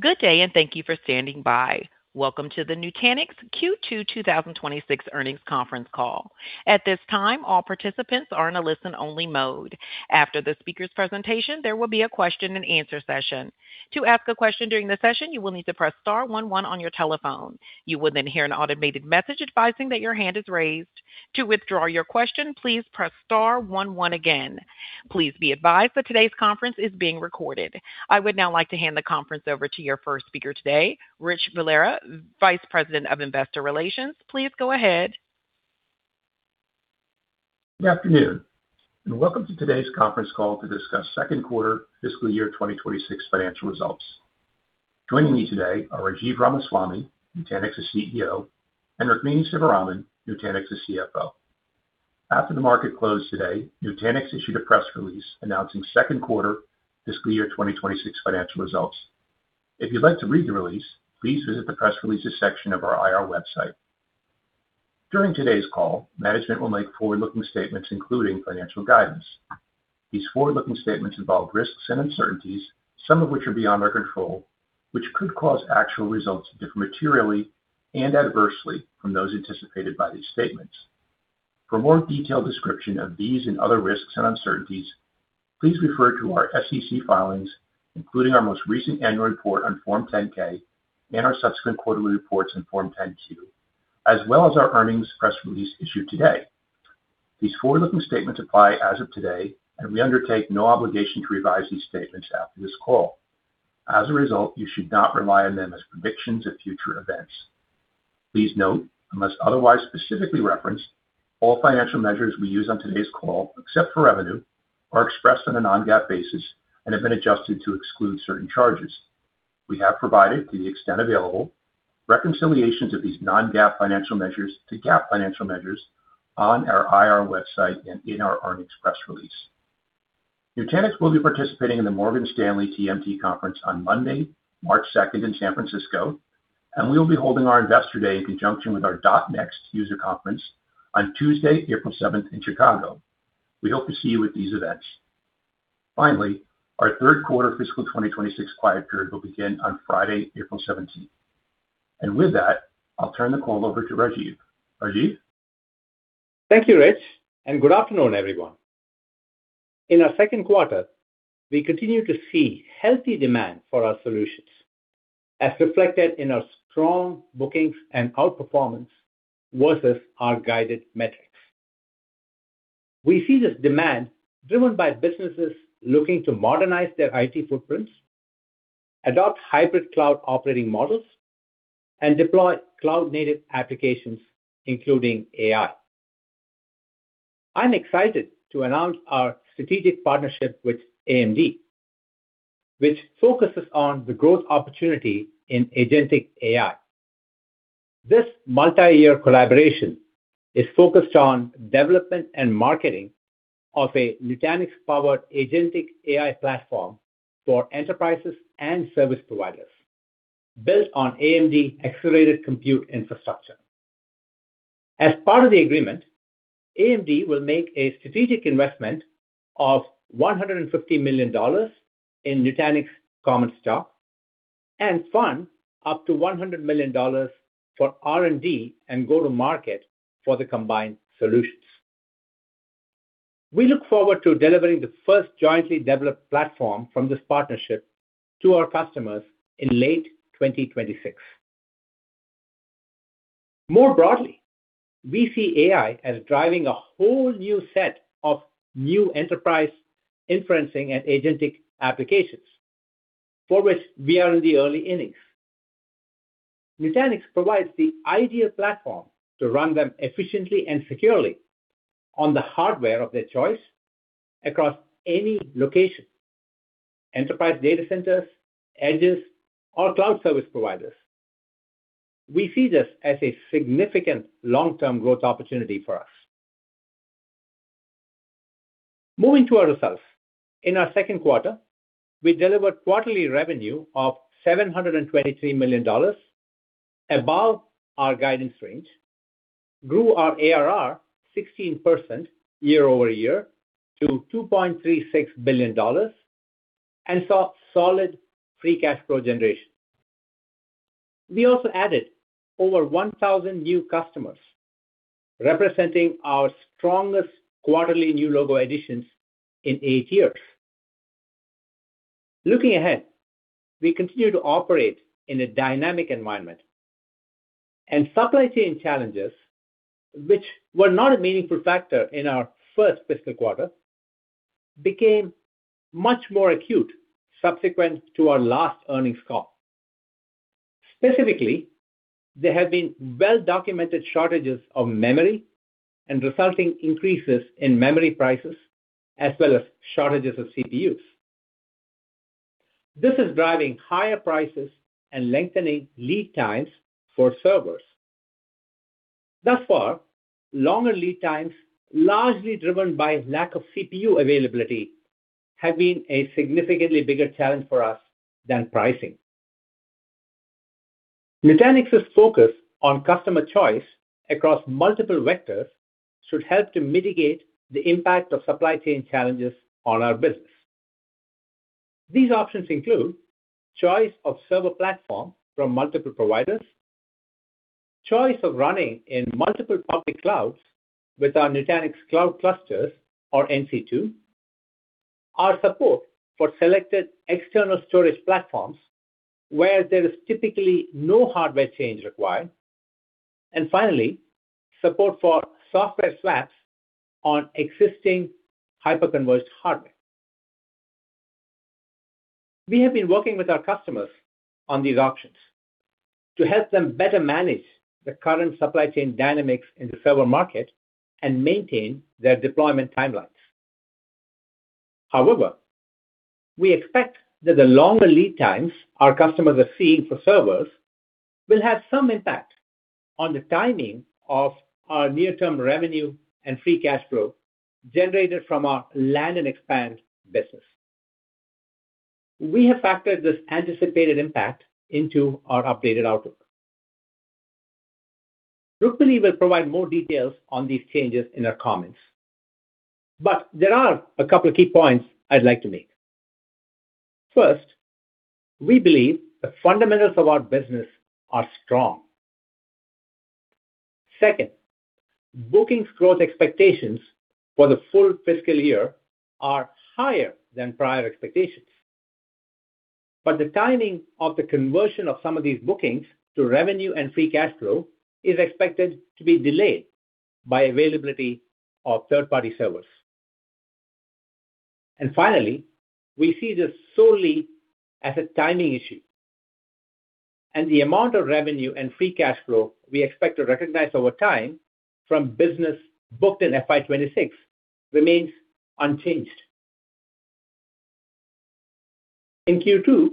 Good day, and thank you for standing by. Welcome to the Nutanix Q2 2026 Earnings Conference Call. At this time, all participants are in a listen-only mode. After the speaker's presentation, there will be a question-and-answer session. To ask a question during the session, you will need to press star one one on your telephone. You will then hear an automated message advising that your hand is raised. To withdraw your question, please press star one one again. Please be advised that today's conference is being recorded. I would now like to hand the conference over to your first speaker today, Rich Valera, Vice President of Investor Relations. Please go ahead. Good afternoon, and welcome to today's conference call to discuss second quarter fiscal year 2026 financial results. Joining me today are Rajiv Ramaswami, Nutanix's CEO, and Rukmini Sivaraman, Nutanix's CFO. After the market closed today, Nutanix issued a press release announcing second quarter fiscal year 2026 financial results. If you'd like to read the release, please visit the press releases section of our IR website. During today's call, management will make forward-looking statements, including financial guidance. These forward-looking statements involve risks and uncertainties, some of which are beyond our control, which could cause actual results to differ materially and adversely from those anticipated by these statements. For more detailed description of these and other risks and uncertainties, please refer to our SEC filings, including our most recent annual report on Form 10-K and our subsequent quarterly reports on Form 10-Q, as well as our earnings press release issued today. These forward-looking statements apply as of today, and we undertake no obligation to revise these statements after this call. As a result, you should not rely on them as predictions of future events. Please note, unless otherwise specifically referenced, all financial measures we use on today's call, except for revenue, are expressed on a non-GAAP basis and have been adjusted to exclude certain charges. We have provided, to the extent available, reconciliations of these non-GAAP financial measures to GAAP financial measures on our IR website and in our earnings press release. Nutanix will be participating in the Morgan Stanley TMT Conference on Monday, March 2nd, in San Francisco, and we will be holding our Investor Day in conjunction with our .NEXT user conference on Tuesday, April 7th, in Chicago. We hope to see you at these events. Finally, our third quarter fiscal 2026 quiet period will begin on Friday, April 17th. With that, I'll turn the call over to Rajiv. Rajiv? Thank you, Rich. Good afternoon, everyone. In our second quarter, we continued to see healthy demand for our solutions, as reflected in our strong bookings and outperformance versus our guided metrics. We see this demand driven by businesses looking to modernize their IT footprints, adopt hybrid cloud operating models, and deploy cloud-native applications, including AI. I'm excited to announce our strategic partnership with AMD, which focuses on the growth opportunity in agentic AI. This multi-year collaboration is focused on development and marketing of a Nutanix-powered agentic AI platform for enterprises and service providers, built on AMD Accelerated Compute Infrastructure. As part of the agreement, AMD will make a strategic investment of $150 million in Nutanix common stock and fund up to $100 million for R&D and go-to-market for the combined solutions. We look forward to delivering the first jointly developed platform from this partnership to our customers in late 2026. More broadly, we see AI as driving a whole new set of new enterprise inferencing and agentic applications, for which we are in the early innings. Nutanix provides the ideal platform to run them efficiently and securely on the hardware of their choice across any location, enterprise data centers, edges, or cloud service providers. We see this as a significant long-term growth opportunity for us. Moving to our results. In our second quarter, we delivered quarterly revenue of $723 million, above our guidance range, grew our ARR 16% year-over-year to $2.36 billion, and saw solid free cash flow generation. We also added over 1,000 new customers, representing our strongest quarterly new logo additions in eight years. Looking ahead, we continue to operate in a dynamic environment. Supply chain challenges, which were not a meaningful factor in our first fiscal quarter, became much more acute subsequent to our last earnings call. Specifically, there have been well-documented shortages of memory and resulting increases in memory prices, as well as shortages of CPUs. This is driving higher prices and lengthening lead times for servers. Thus far, longer lead times, largely driven by lack of CPU availability, have been a significantly bigger challenge for us than pricing.... Nutanix's focus on customer choice across multiple vectors should help to mitigate the impact of supply chain challenges on our business. These options include choice of server platform from multiple providers, choice of running in multiple public clouds with our Nutanix Cloud Clusters, or NC2, our support for selected external storage platforms, where there is typically no hardware change required, and finally, support for software swaps on existing hyper-converged hardware. We have been working with our customers on these options to help them better manage the current supply chain dynamics in the server market and maintain their deployment timelines. However, we expect that the longer lead times our customers are seeing for servers will have some impact on the timing of our near-term revenue and free cash flow generated from our land and expand business. We have factored this anticipated impact into our updated outlook. Rukmini will provide more details on these changes in her comments, but there are a couple of key points I'd like to make. First, we believe the fundamentals of our business are strong. Second, bookings growth expectations for the full fiscal year are higher than prior expectations, but the timing of the conversion of some of these bookings to revenue and free cash flow is expected to be delayed by availability of third-party servers. Finally, we see this solely as a timing issue, and the amount of revenue and free cash flow we expect to recognize over time from business booked in FY 2026 remains unchanged. In Q2,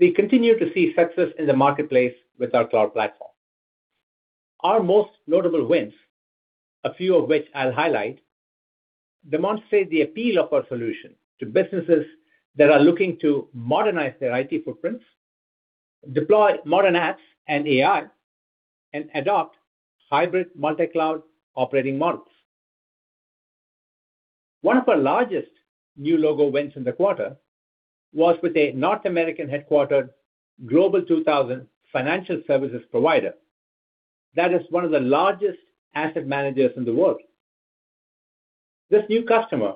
we continued to see success in the marketplace with our cloud platform. Our most notable wins, a few of which I'll highlight, demonstrate the appeal of our solution to businesses that are looking to modernize their IT footprints, deploy modern apps and AI, and adopt hybrid multi-cloud operating models. One of our largest new logo wins in the quarter was with a North American-headquartered Global 2000 financial services provider that is one of the largest asset managers in the world. This new customer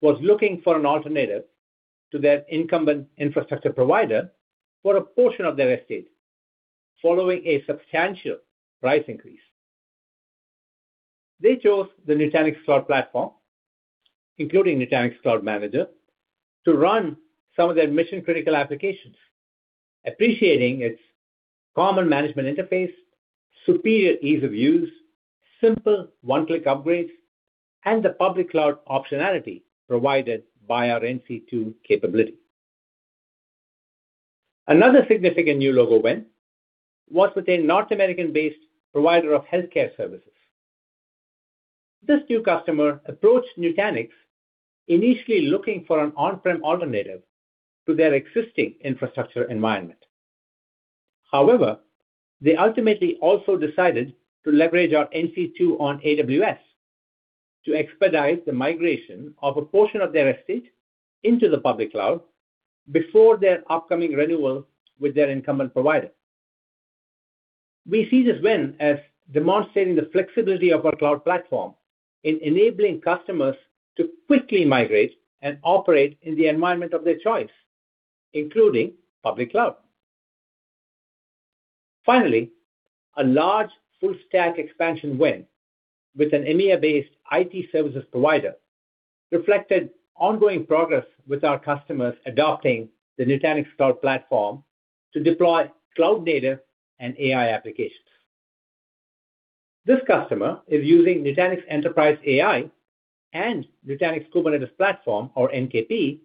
was looking for an alternative to their incumbent infrastructure provider for a portion of their estate following a substantial price increase. They chose the Nutanix Cloud Platform, including Nutanix Cloud Manager, to run some of their mission-critical applications, appreciating its common management interface, superior ease of use, simple one-click upgrades, and the public cloud optionality provided by our NC2 capability. Another significant new logo win was with a North American-based provider of healthcare services. This new customer approached Nutanix initially looking for an on-prem alternative to their existing infrastructure environment. They ultimately also decided to leverage our NC2 on AWS to expedite the migration of a portion of their estate into the public cloud before their upcoming renewal with their incumbent provider. We see this win as demonstrating the flexibility of our cloud platform in enabling customers to quickly migrate and operate in the environment of their choice, including public cloud. Finally, a large full stack expansion win with an EMEA-based IT services provider reflected ongoing progress with our customers adopting the Nutanix Cloud Platform to deploy cloud-native and AI applications. This customer is using Nutanix Enterprise AI and Nutanix Kubernetes Platform, or NKP,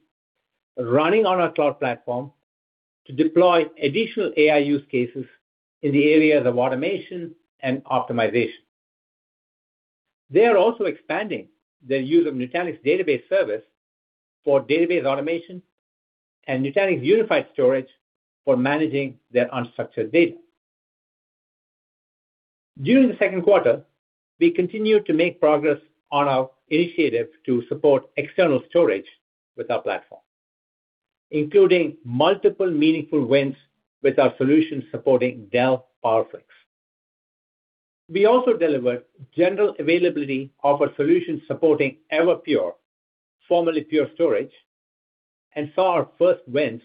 running on our cloud platform to deploy additional AI use cases in the areas of automation and optimization. They are also expanding their use of Nutanix Database Service for database automation and Nutanix Unified Storage for managing their unstructured data. During the second quarter, we continued to make progress on our initiative to support external storage with our platform, including multiple meaningful wins with our solutions supporting Dell PowerFlex. We also delivered general availability of our solution supporting Everpure, formerly Pure Storage, and saw our first wins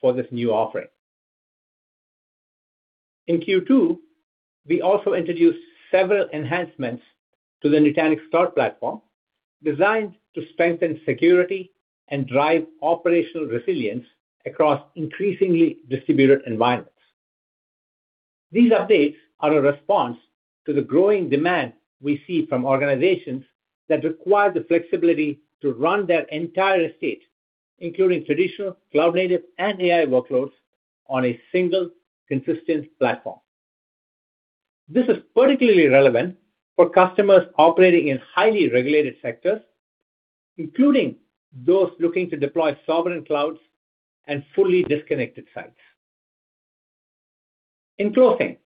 for this new offering. In Q2, we also introduced several enhancements to the Nutanix Cloud Platform, designed to strengthen security and drive operational resilience across increasingly distributed environments. These updates are a response to the growing demand we see from organizations that require the flexibility to run their entire estate, including traditional, cloud-native, and AI workloads, on a single consistent platform.... This is particularly relevant for customers operating in highly regulated sectors, including those looking to deploy sovereign clouds and fully disconnected sites. In closing,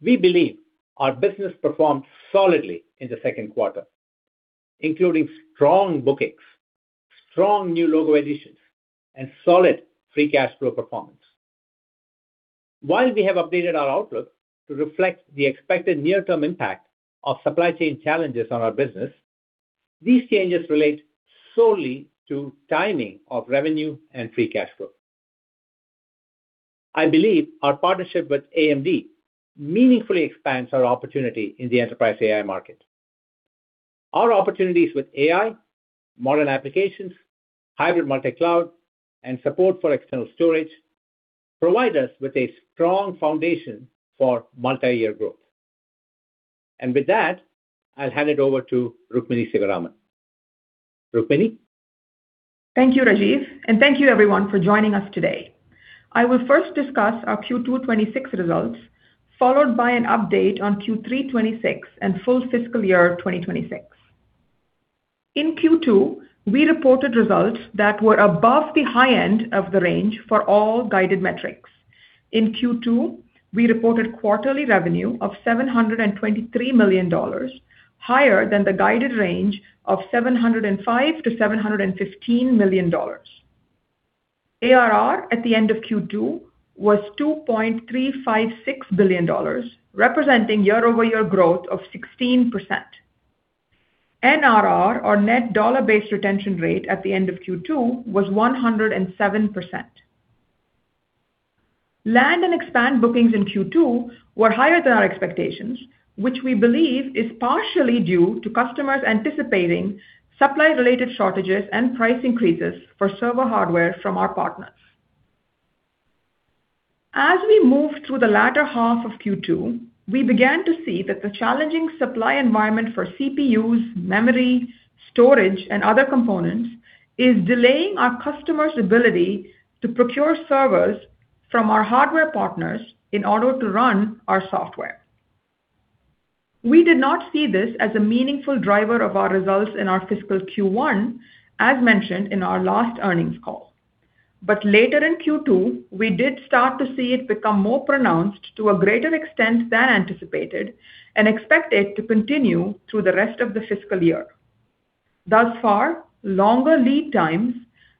we believe our business performed solidly in the second quarter, including strong bookings, strong new logo additions, and solid free cash flow performance. While we have updated our outlook to reflect the expected near-term impact of supply chain challenges on our business, these changes relate solely to timing of revenue and free cash flow. I believe our partnership with AMD meaningfully expands our opportunity in the enterprise AI market. Our opportunities with AI, modern applications, hybrid multicloud, and support for external storage provide us with a strong foundation for multi-year growth. With that, I'll hand it over to Rukmini Sivaraman. Rukmini? Thank you, Rajiv, thank you everyone for joining us today. I will first discuss our Q2 2026 results, followed by an update on Q3 2026 and full fiscal year 2026. In Q2, we reported results that were above the high end of the range for all guided metrics. In Q2, we reported quarterly revenue of $723 million, higher than the guided range of $705 million-$715 million. ARR at the end of Q2 was $2.356 billion, representing year-over-year growth of 16%. NRR, or net dollar-based retention rate, at the end of Q2 was 107%. Land and expand bookings in Q2 were higher than our expectations, which we believe is partially due to customers anticipating supply-related shortages and price increases for server hardware from our partners. As we moved through the latter half of Q2, we began to see that the challenging supply environment for CPUs, memory, storage, and other components is delaying our customers' ability to procure servers from our hardware partners in order to run our software. We did not see this as a meaningful driver of our results in our fiscal Q1, as mentioned in our last earnings call. Later in Q2, we did start to see it become more pronounced to a greater extent than anticipated and expect it to continue through the rest of the fiscal year. Thus far, longer lead times,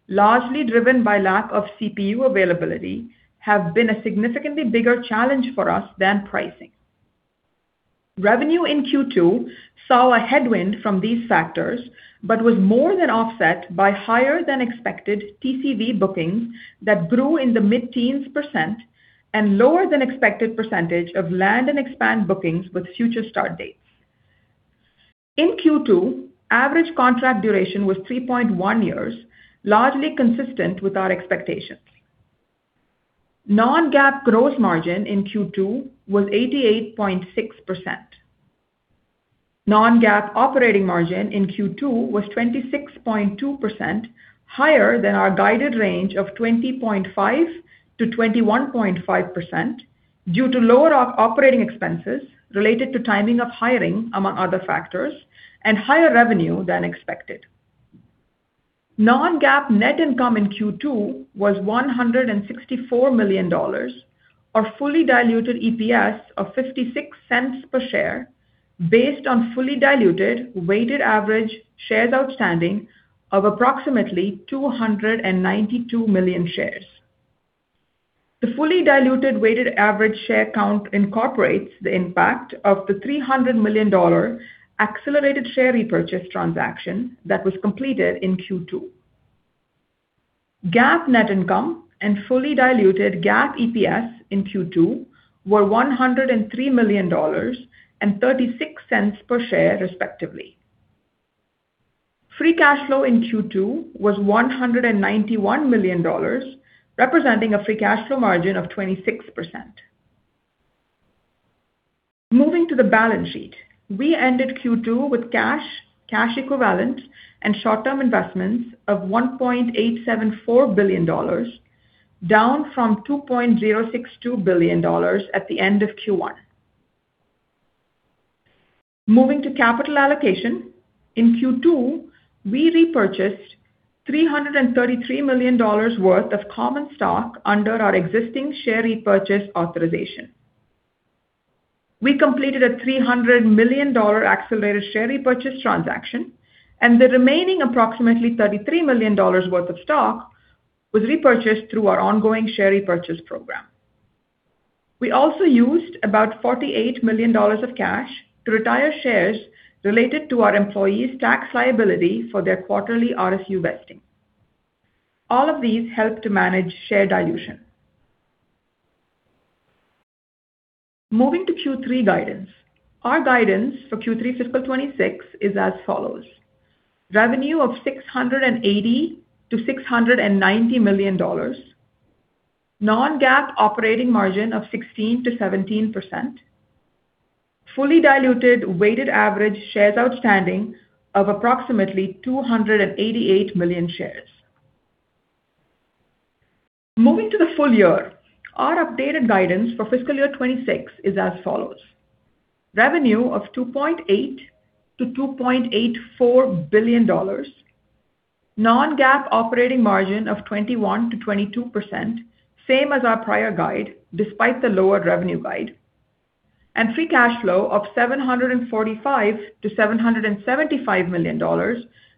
largely driven by lack of CPU availability, have been a significantly bigger challenge for us than pricing. Revenue in Q2 saw a headwind from these factors, but was more than offset by higher than expected TCV bookings that grew in the mid-teens percent and lower than expected percentage of land and expand bookings with future start dates. In Q2, average contract duration was 3.1 years, largely consistent with our expectations. Non-GAAP gross margin in Q2 was 88.6%. Non-GAAP operating margin in Q2 was 26.2%, higher than our guided range of 20.5%-21.5%, due to lower operating expenses related to timing of hiring, among other factors, and higher revenue than expected. Non-GAAP net income in Q2 was $164 million, or fully diluted EPS of $0.56 per share, based on fully diluted weighted average shares outstanding of approximately 292 million shares. The fully diluted weighted average share count incorporates the impact of the $300 million accelerated share repurchase transaction that was completed in Q2. GAAP net income and fully diluted GAAP EPS in Q2 were $103 million and $0.36 per share, respectively. Free cash flow in Q2 was $191 million, representing a free cash flow margin of 26%. Moving to the balance sheet, we ended Q2 with cash equivalents, and short-term investments of $1.874 billion, down from $2.062 billion at the end of Q1. Moving to capital allocation. In Q2, we repurchased $333 million worth of common stock under our existing share repurchase authorization. We completed a $300 million accelerated share repurchase transaction. The remaining approximately $33 million worth of stock was repurchased through our ongoing share repurchase program. We also used about $48 million of cash to retire shares related to our employees' tax liability for their quarterly RSU vesting. All of these helped to manage share dilution. Moving to Q3 guidance. Our guidance for Q3 fiscal 2026 is as follows: revenue of $680 million-$690 million, non-GAAP operating margin of 16%-17%, fully diluted weighted average shares outstanding of approximately 288 million shares.... Moving to the full year, our updated guidance for fiscal year 2026 is as follows: revenue of $2.8 billion-$2.84 billion, non-GAAP operating margin of 21%-22%, same as our prior guide, despite the lower revenue guide, and free cash flow of $745 million-$775 million,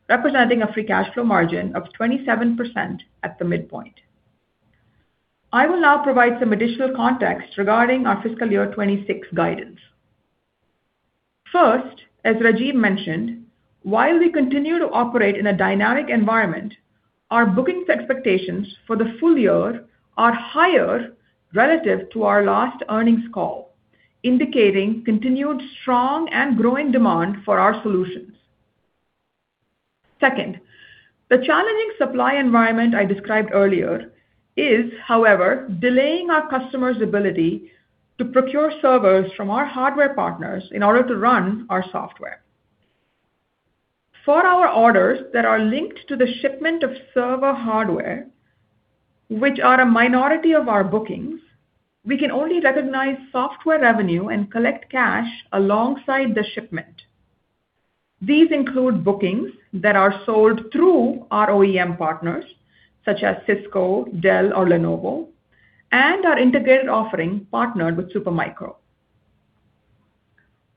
representing a free cash flow margin of 27% at the midpoint. I will now provide some additional context regarding our fiscal year 2026 guidance. First, as Rajiv mentioned, while we continue to operate in a dynamic environment, our bookings expectations for the full year are higher relative to our last earnings call, indicating continued strong and growing demand for our solutions. Second, the challenging supply environment I described earlier is, however, delaying our customers' ability to procure servers from our hardware partners in order to run our software. For our orders that are linked to the shipment of server hardware, which are a minority of our bookings, we can only recognize software revenue and collect cash alongside the shipment. These include bookings that are sold through our OEM partners, such as Cisco, Dell, or Lenovo, and our integrated offering partnered with Supermicro.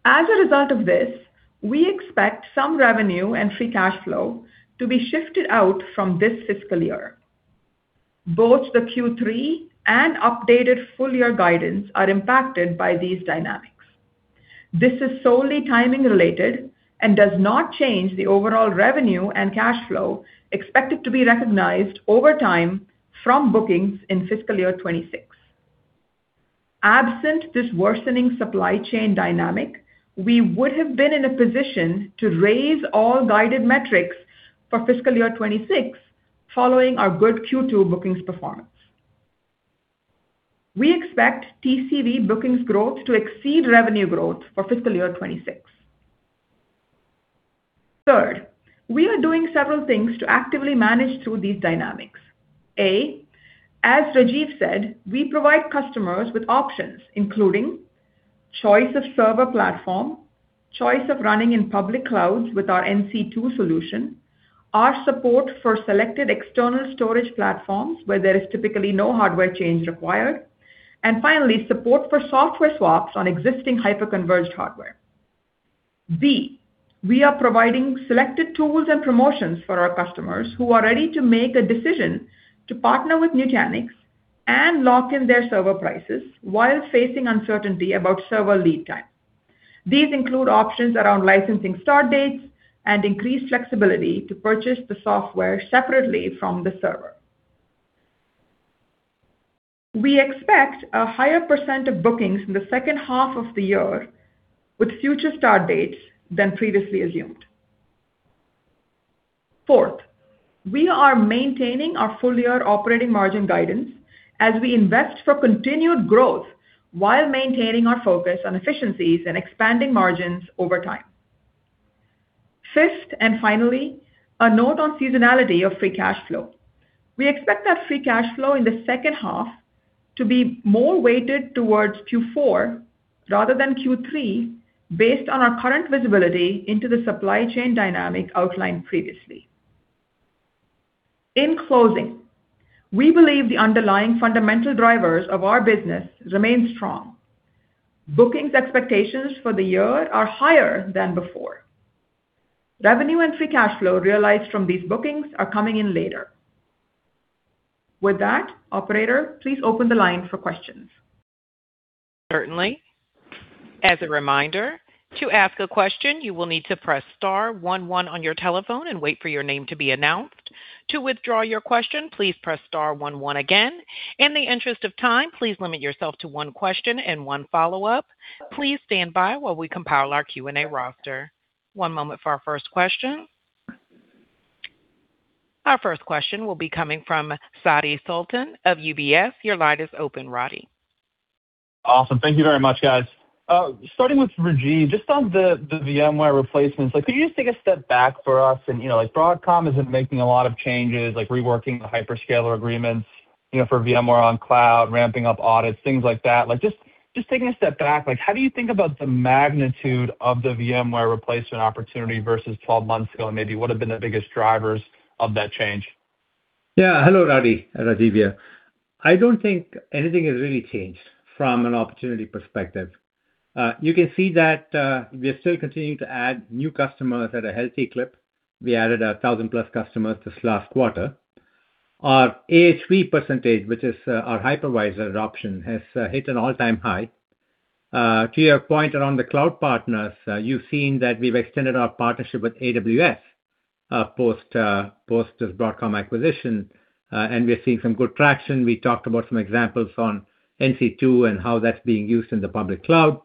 As a result of this, we expect some revenue and free cash flow to be shifted out from this fiscal year. Both the Q3 and updated full year guidance are impacted by these dynamics. This is solely timing related and does not change the overall revenue and cash flow expected to be recognized over time from bookings in fiscal year 2026. Absent this worsening supply chain dynamic, we would have been in a position to raise all guided metrics for fiscal year 2026, following our good Q2 bookings performance. We expect TCV bookings growth to exceed revenue growth for fiscal year 2026. Third, we are doing several things to actively manage through these dynamics. A, as Rajiv said, we provide customers with options, including choice of server platform, choice of running in public clouds with our NC2 solution, our support for selected external storage platforms, where there is typically no hardware change required, and finally, support for software swaps on existing hyper-converged hardware. B, we are providing selected tools and promotions for our customers who are ready to make a decision to partner with Nutanix and lock in their server prices while facing uncertainty about server lead time. These include options around licensing start dates and increased flexibility to purchase the software separately from the server. We expect a higher percent of bookings in the second half of the year with future start dates than previously assumed. Fourth, we are maintaining our full-year operating margin guidance as we invest for continued growth while maintaining our focus on efficiencies and expanding margins over time. Fifth, and finally, a note on seasonality of free cash flow. We expect that free cash flow in the second half to be more weighted towards Q4 rather than Q3, based on our current visibility into the supply chain dynamic outlined previously. In closing, we believe the underlying fundamental drivers of our business remain strong. Bookings expectations for the year are higher than before. Revenue and free cash flow realized from these bookings are coming in later. With that, operator, please open the line for questions. Certainly. As a reminder, to ask a question, you will need to press star one one on your telephone and wait for your name to be announced. To withdraw your question, please press star one one again. In the interest of time, please limit yourself to one question and one follow-up. Please stand by while we compile our Q&A roster. One moment for our first question. Our first question will be coming from Radi Sultan of UBS. Your line is open, Radi. Awesome. Thank you very much, guys. Starting with Rajiv, just on the VMware replacements, like, could you just take a step back for us and, you know, like Broadcom isn't making a lot of changes, like reworking the hyperscaler agreements, you know, for VMware on cloud, ramping up audits, things like that. Like just taking a step back, like how do you think about the magnitude of the VMware replacement opportunity versus 12 months ago, and maybe what have been the biggest drivers of that change? Yeah. Hello, Radi. Rajiv here. I don't think anything has really changed from an opportunity perspective. You can see that we are still continuing to add new customers at a healthy clip. We added 1,000+ customers this last quarter. Our AHV percentage, which is our hypervisor adoption, has hit an all-time high. To your point around the cloud partners, you've seen that we've extended our partnership with AWS post this Broadcom acquisition, and we're seeing some good traction. We talked about some examples on NC2 and how that's being used in the public cloud.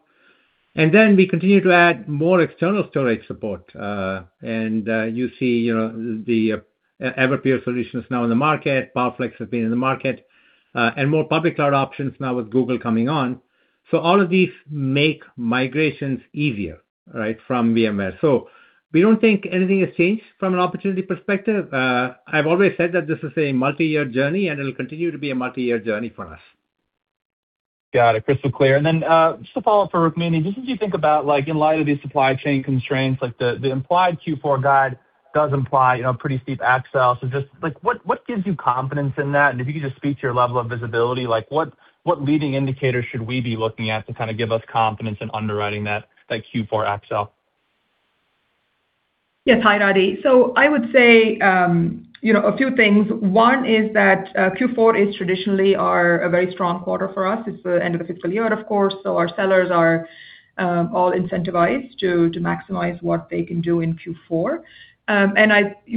We continue to add more external storage support, and, you see, you know, the Everpure solutions now in the market, PowerFlex has been in the market, and more public cloud options now with Google coming on.... All of these make migrations easier, right? From VMware. We don't think anything has changed from an opportunity perspective. I've always said that this is a multi-year journey, and it'll continue to be a multi-year journey for us. Got it. Crystal clear. Then, just a follow-up for Rukmini. Just as you think about, like, in light of these supply chain constraints, like, the implied Q4 guide does imply, you know, pretty steep upsell. Just, like, what gives you confidence in that? If you could just speak to your level of visibility, like, what leading indicators should we be looking at to kind of give us confidence in underwriting that Q4 upsell? Yes. Hi, Radi. I would say, you know, a few things. One is that Q4 is traditionally are a very strong quarter for us. It's the end of the fiscal year, of course, so our sellers are all incentivized to maximize what they can do in Q4.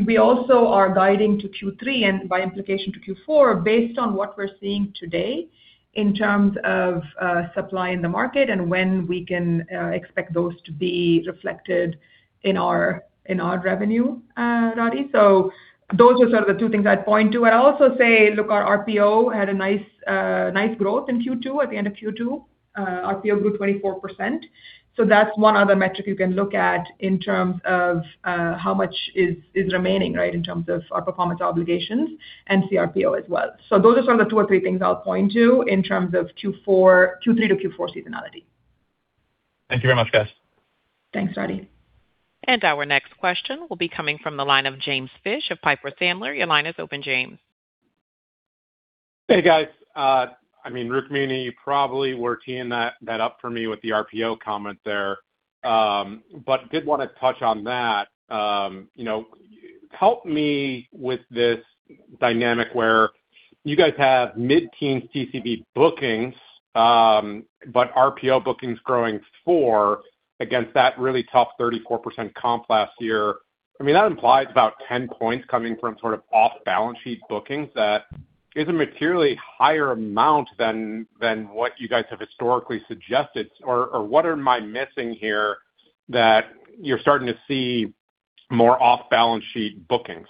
We also are guiding to Q3, and by implication, to Q4, based on what we're seeing today in terms of supply in the market and when we can expect those to be reflected in our revenue, Radi. Those are sort of the two things I'd point to. I'd also say, look, our RPO had a nice growth in Q2, at the end of Q2. RPO grew 24%. That's one other metric you can look at in terms of how much is remaining, right, in terms of our performance obligations and CRPO as well. Those are some of the two or three things I'll point to in terms of Q3 to Q4 seasonality. Thank you very much, guys. Thanks, Radi. Our next question will be coming from the line of James Fish of Piper Sandler. Your line is open, James. Hey, guys. I mean, Rukmini, you probably were teeing that up for me with the RPO comment there. Did want to touch on that. You know, help me with this dynamic where you guys have mid-teen TCV bookings, RPO bookings growing 4% against that really tough 34% comp last year. I mean, that implies about 10 points coming from sort of off-balance sheet bookings. That is a materially higher amount than what you guys have historically suggested. Or what am I missing here, that you're starting to see more off-balance sheet bookings?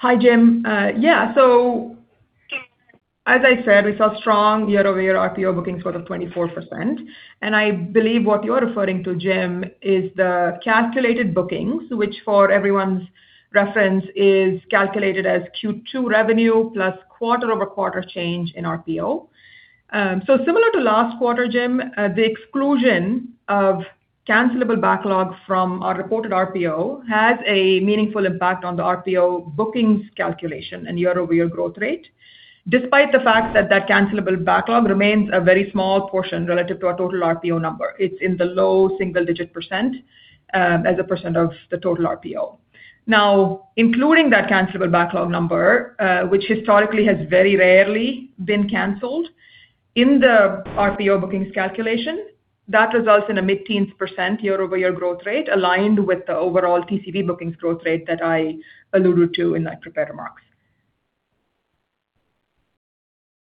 Hi, Jim. Yeah, as I said, we saw strong year-over-year RPO bookings sort of 24%. I believe what you're referring to, Jim, is the calculated bookings, which, for everyone's reference, is calculated as Q2 revenue plus quarter-over-quarter change in RPO. Similar to last quarter, Jim, the exclusion of cancelable backlog from our reported RPO had a meaningful impact on the RPO bookings calculation and year-over-year growth rate, despite the fact that that cancelable backlog remains a very small portion relative to our total RPO number. It's in the low single digit percent, as a percent of the total RPO. Including that cancelable backlog number, which historically has very rarely been canceled in the RPO bookings calculation, that results in a mid-teens% year-over-year growth rate, aligned with the overall TCV bookings growth rate that I alluded to in my prepared remarks.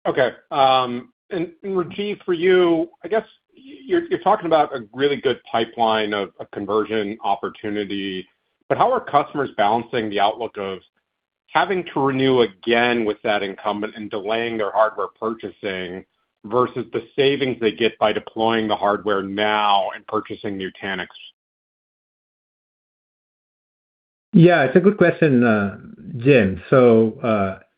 Okay, Rajiv, for you, I guess you're talking about a really good pipeline of conversion opportunity, but how are customers balancing the outlook of having to renew again with that incumbent and delaying their hardware purchasing versus the savings they get by deploying the hardware now and purchasing Nutanix? Yeah, it's a good question, Jim.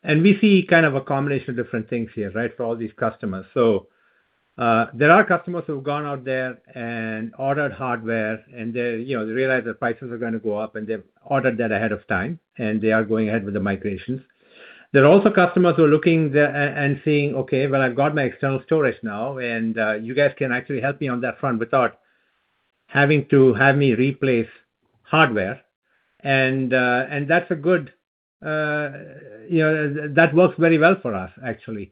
We see kind of a combination of different things here, right, for all these customers. There are customers who have gone out there and ordered hardware, and they, you know, they realize that prices are going to go up, and they've ordered that ahead of time, and they are going ahead with the migrations. There are also customers who are looking there and saying, "Okay, well, I've got my external storage now, and you guys can actually help me on that front without having to have me replace hardware." That's a good, you know, that works very well for us, actually.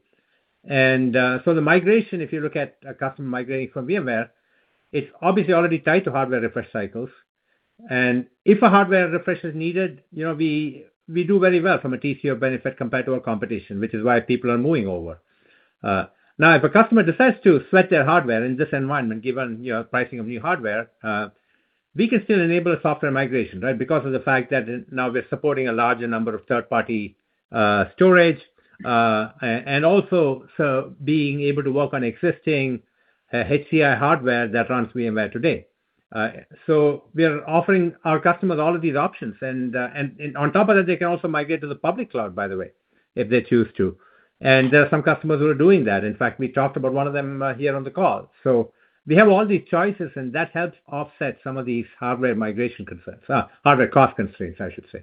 The migration, if you look at a customer migrating from VMware, it's obviously already tied to hardware refresh cycles, and if a hardware refresh is needed, you know, we do very well from a TCO benefit compared to our competition, which is why people are moving over. Now, if a customer decides to sweat their hardware in this environment, given, you know, pricing of new hardware, we can still enable a software migration, right? Because of the fact that now we're supporting a larger number of third-party storage, and also so being able to work on existing HCI hardware that runs VMware today. We are offering our customers all of these options, and on top of that, they can also migrate to the public cloud, by the way, if they choose to. There are some customers who are doing that. In fact, we talked about one of them, here on the call. We have all these choices, and that helps offset some of these hardware migration concerns, hardware cost constraints, I should say.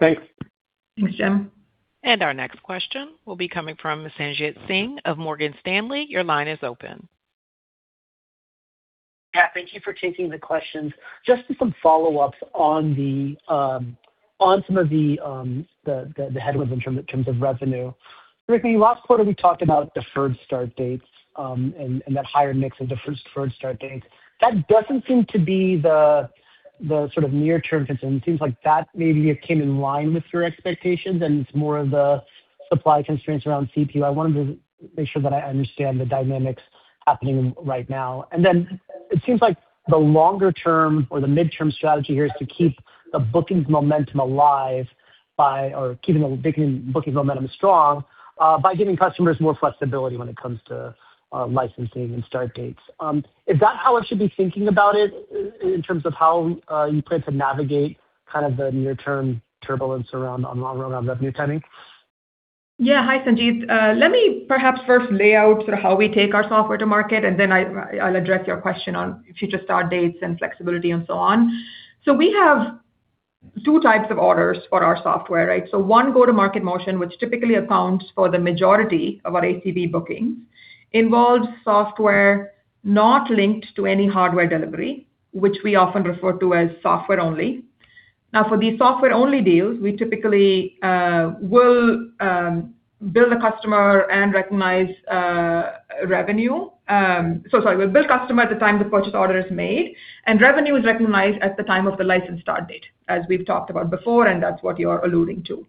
Thanks. Thanks, Jim. Our next question will be coming from Sanjit Singh of Morgan Stanley. Your line is open. Yeah, thank you for taking the questions. Just some follow-ups on the on some of the headwinds in terms of revenue. Rukmini, last quarter, we talked about deferred start dates, and that higher mix of deferred start dates. That doesn't seem to be the sort of near-term concern. It seems like that maybe it came in line with your expectations, and it's more of the supply constraints around CPU. I wanted to make sure that I understand the dynamics happening right now. It seems like the longer-term or the midterm strategy here is to keep the bookings momentum alive keeping the booking momentum strong by giving customers more flexibility when it comes to licensing and start dates. Is that how I should be thinking about it in terms of how you plan to navigate kind of the near-term turbulence around, on ongoing around revenue timing? Yeah. Hi, Sanjit. Let me perhaps first lay out sort of how we take our software to market, then I'll address your question on future start dates and flexibility and so on. We have two types of orders for our software, right? One go-to-market motion, which typically accounts for the majority of our ACV bookings, involves software not linked to any hardware delivery, which we often refer to as software only. For these software-only deals, we typically will bill the customer and recognize revenue. We bill customer at the time the purchase order is made, revenue is recognized at the time of the license start date, as we've talked about before, that's what you are alluding to.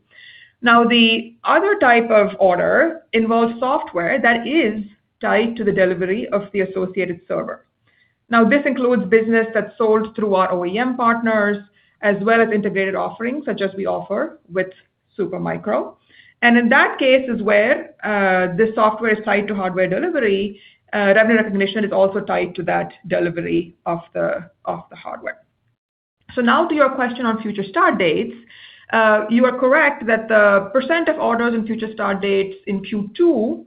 The other type of order involves software that is tied to the delivery of the associated server. This includes business that's sold through our OEM partners, as well as integrated offerings, such as we offer with Supermicro. In that case is where this software is tied to hardware delivery, revenue recognition is also tied to that delivery of the hardware. To your question on future start dates. You are correct that the percent of orders in future start dates in Q2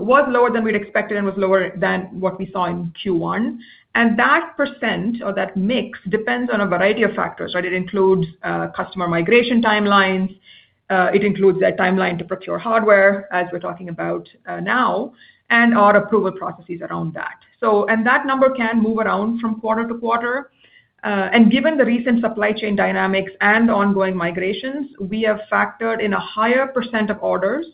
was lower than we'd expected and was lower than what we saw in Q1. That percent or that mix depends on a variety of factors, right? It includes customer migration timelines, it includes their timeline to procure hardware, as we're talking about now, and our approval processes around that. That number can move around from quarter-to-quarter. Given the recent supply chain dynamics and ongoing migrations, we have factored in a higher percent of orders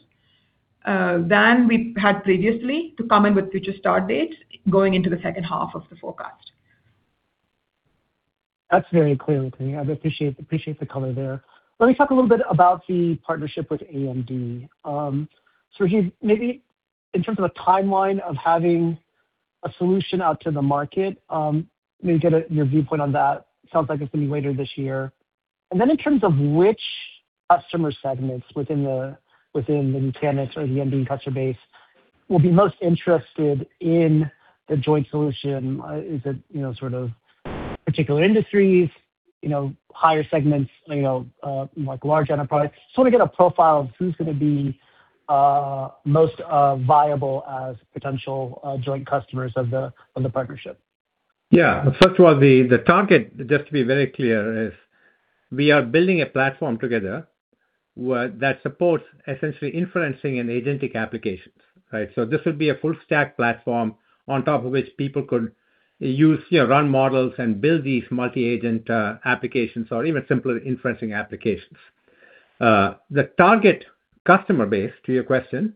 than we've had previously to come in with future start dates going into the second half of the forecast. That's very clear, Rukmini. I appreciate the color there. Let me talk a little bit about the partnership with AMD. Maybe in terms of a timeline of having a solution out to the market, let me get your viewpoint on that. Sounds like it's going to be later this year. In terms of which customer segments within the Nutanix or the AMD customer base will be most interested in the joint solution, is it, you know, sort of particular industries, you know, higher segments, you know, like large enterprise? Just want to get a profile of who's going to be most viable as potential joint customers of the partnership. Yeah. First of all, the target, just to be very clear, is we are building a platform together that supports essentially inferencing and agentic applications, right? This would be a full stack platform on top of which people could use, you know, run models and build these multi-agent applications or even simpler inferencing applications. The target customer base, to your question,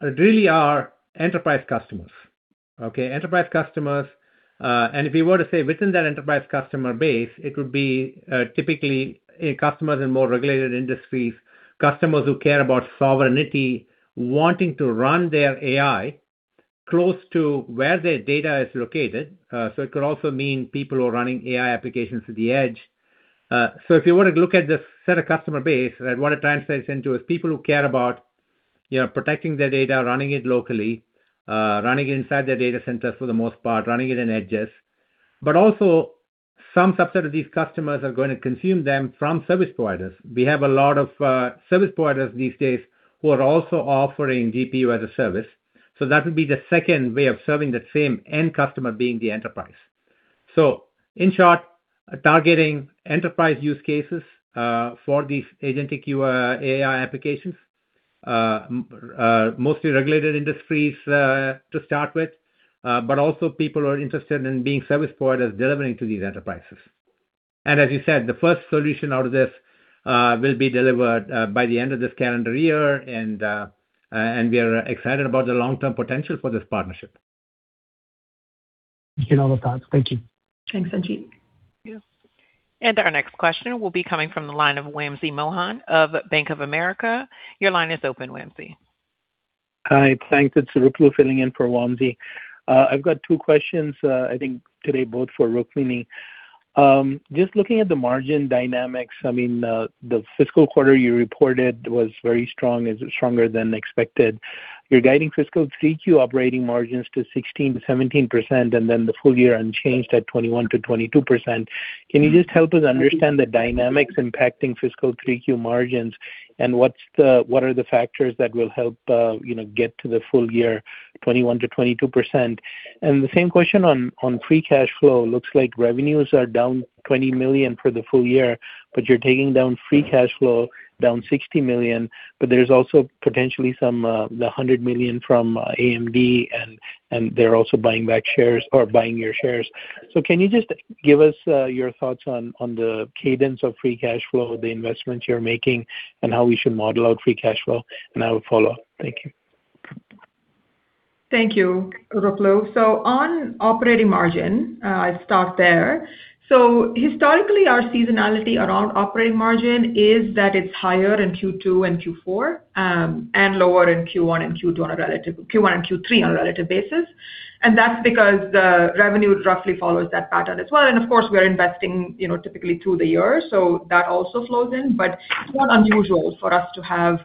really are enterprise customers, okay? Enterprise customers, if you were to say within that enterprise customer base, it would be typically customers in more regulated industries, customers who care about sovereignty, wanting to run their AI close to where their data is located. It could also mean people who are running AI applications at the edge. If you were to look at this set of customer base, what it translates into is people who care about, you know, protecting their data, running it locally, running it inside their data center for the most part, running it in edges. Also, some subset of these customers are going to consume them from service providers. We have a lot of service providers these days who are also offering GPU as a service. That would be the second way of serving the same end customer being the enterprise. In short, targeting enterprise use cases, for these agentic AI applications, mostly regulated industries, to start with, but also people who are interested in being service providers delivering to these enterprises. As you said, the first solution out of this, will be delivered, by the end of this calendar year, and we are excited about the long-term potential for this partnership. Thank you for all the thoughts. Thank you. Thanks, Sanjit. Our next question will be coming from the line of Wamsi Mohan of Bank of America. Your line is open, Wamsi. Hi, thanks. It's Ruplu filling in for Wamsi. I've got two questions, I think today, both for Rukmini. Just looking at the margin dynamics, I mean, the fiscal quarter you reported was very strong. Is it stronger than expected? You're guiding fiscal 3Q operating margins to 16%-17% and then the full year unchanged at 21%-22%. Can you just help us understand the dynamics impacting fiscal 3Q margins, and what are the factors that will help, you know, get to the full year, 21%-22%? The same question on free cash flow. Looks like revenues are down $20 million for the full year, but you're taking down free cash flow, down $60 million, but there's also potentially some, the $100 million from AMD, and they're also buying back shares or buying your shares. Can you just give us your thoughts on the cadence of free cash flow, the investments you're making, and how we should model out free cash flow? I will follow-up. Thank you. Thank you, Ruklu. On operating margin, I'll start there. Historically, our seasonality around operating margin is that it's higher in Q2 and Q4, and lower in Q1 and Q3 on a relative basis. That's because the revenue roughly follows that pattern as well. Of course, we are investing, you know, typically through the year, so that also flows in. It's not unusual for us to have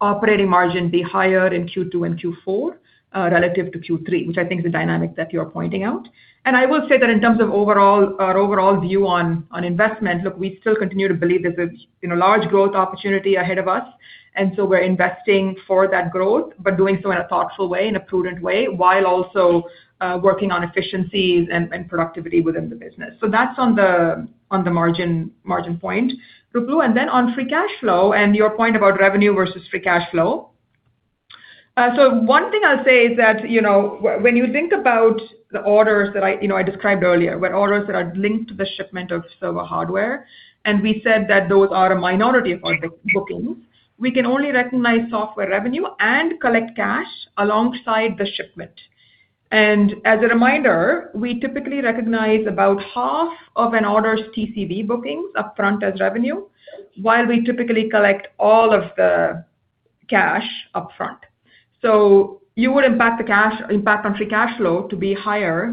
operating margin be higher in Q2 and Q4, relative to Q3, which I think is the dynamic that you're pointing out. I will say that in terms of our overall view on investment, look, we still continue to believe there's a, you know, large growth opportunity ahead of us, and so we're investing for that growth, but doing so in a thoughtful way, in a prudent way, while also working on efficiencies and productivity within the business. That's on the, on the margin point, Ruplu. On free cash flow and your point about revenue versus free cash flow. One thing I'll say is that, you know, when you think about the orders that I, you know, I described earlier, where orders that are linked to the shipment of server hardware, and we said that those are a minority of our bookings. We can only recognize software revenue and collect cash alongside the shipment. As a reminder, we typically recognize about half of an order's TCV bookings upfront as revenue, while we typically collect all of the cash upfront. You would impact on free cash flow to be higher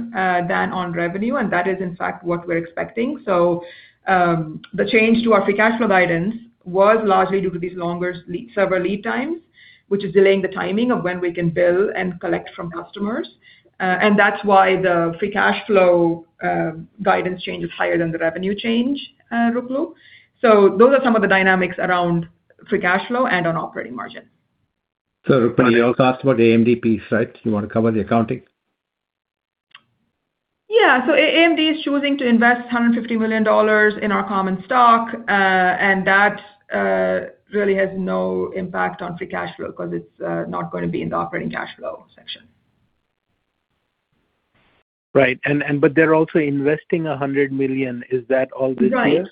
than on revenue, and that is in fact what we're expecting. The change to our free cash flow guidance was largely due to these longer lead, server lead times, which is delaying the timing of when we can bill and collect from customers. That's why the free cash flow guidance change is higher than the revenue change, Ruplu. Those are some of the dynamics around free cash flow and on operating margin. Rukmini, you also asked about the AMD piece, right? You want to cover the accounting? Yeah. AMD is choosing to invest $150 million in our common stock, and that really has no impact on free cash flow, 'cause it's not gonna be in the operating cash flow section. Right. They're also investing $100 million. Is that all this here? Right.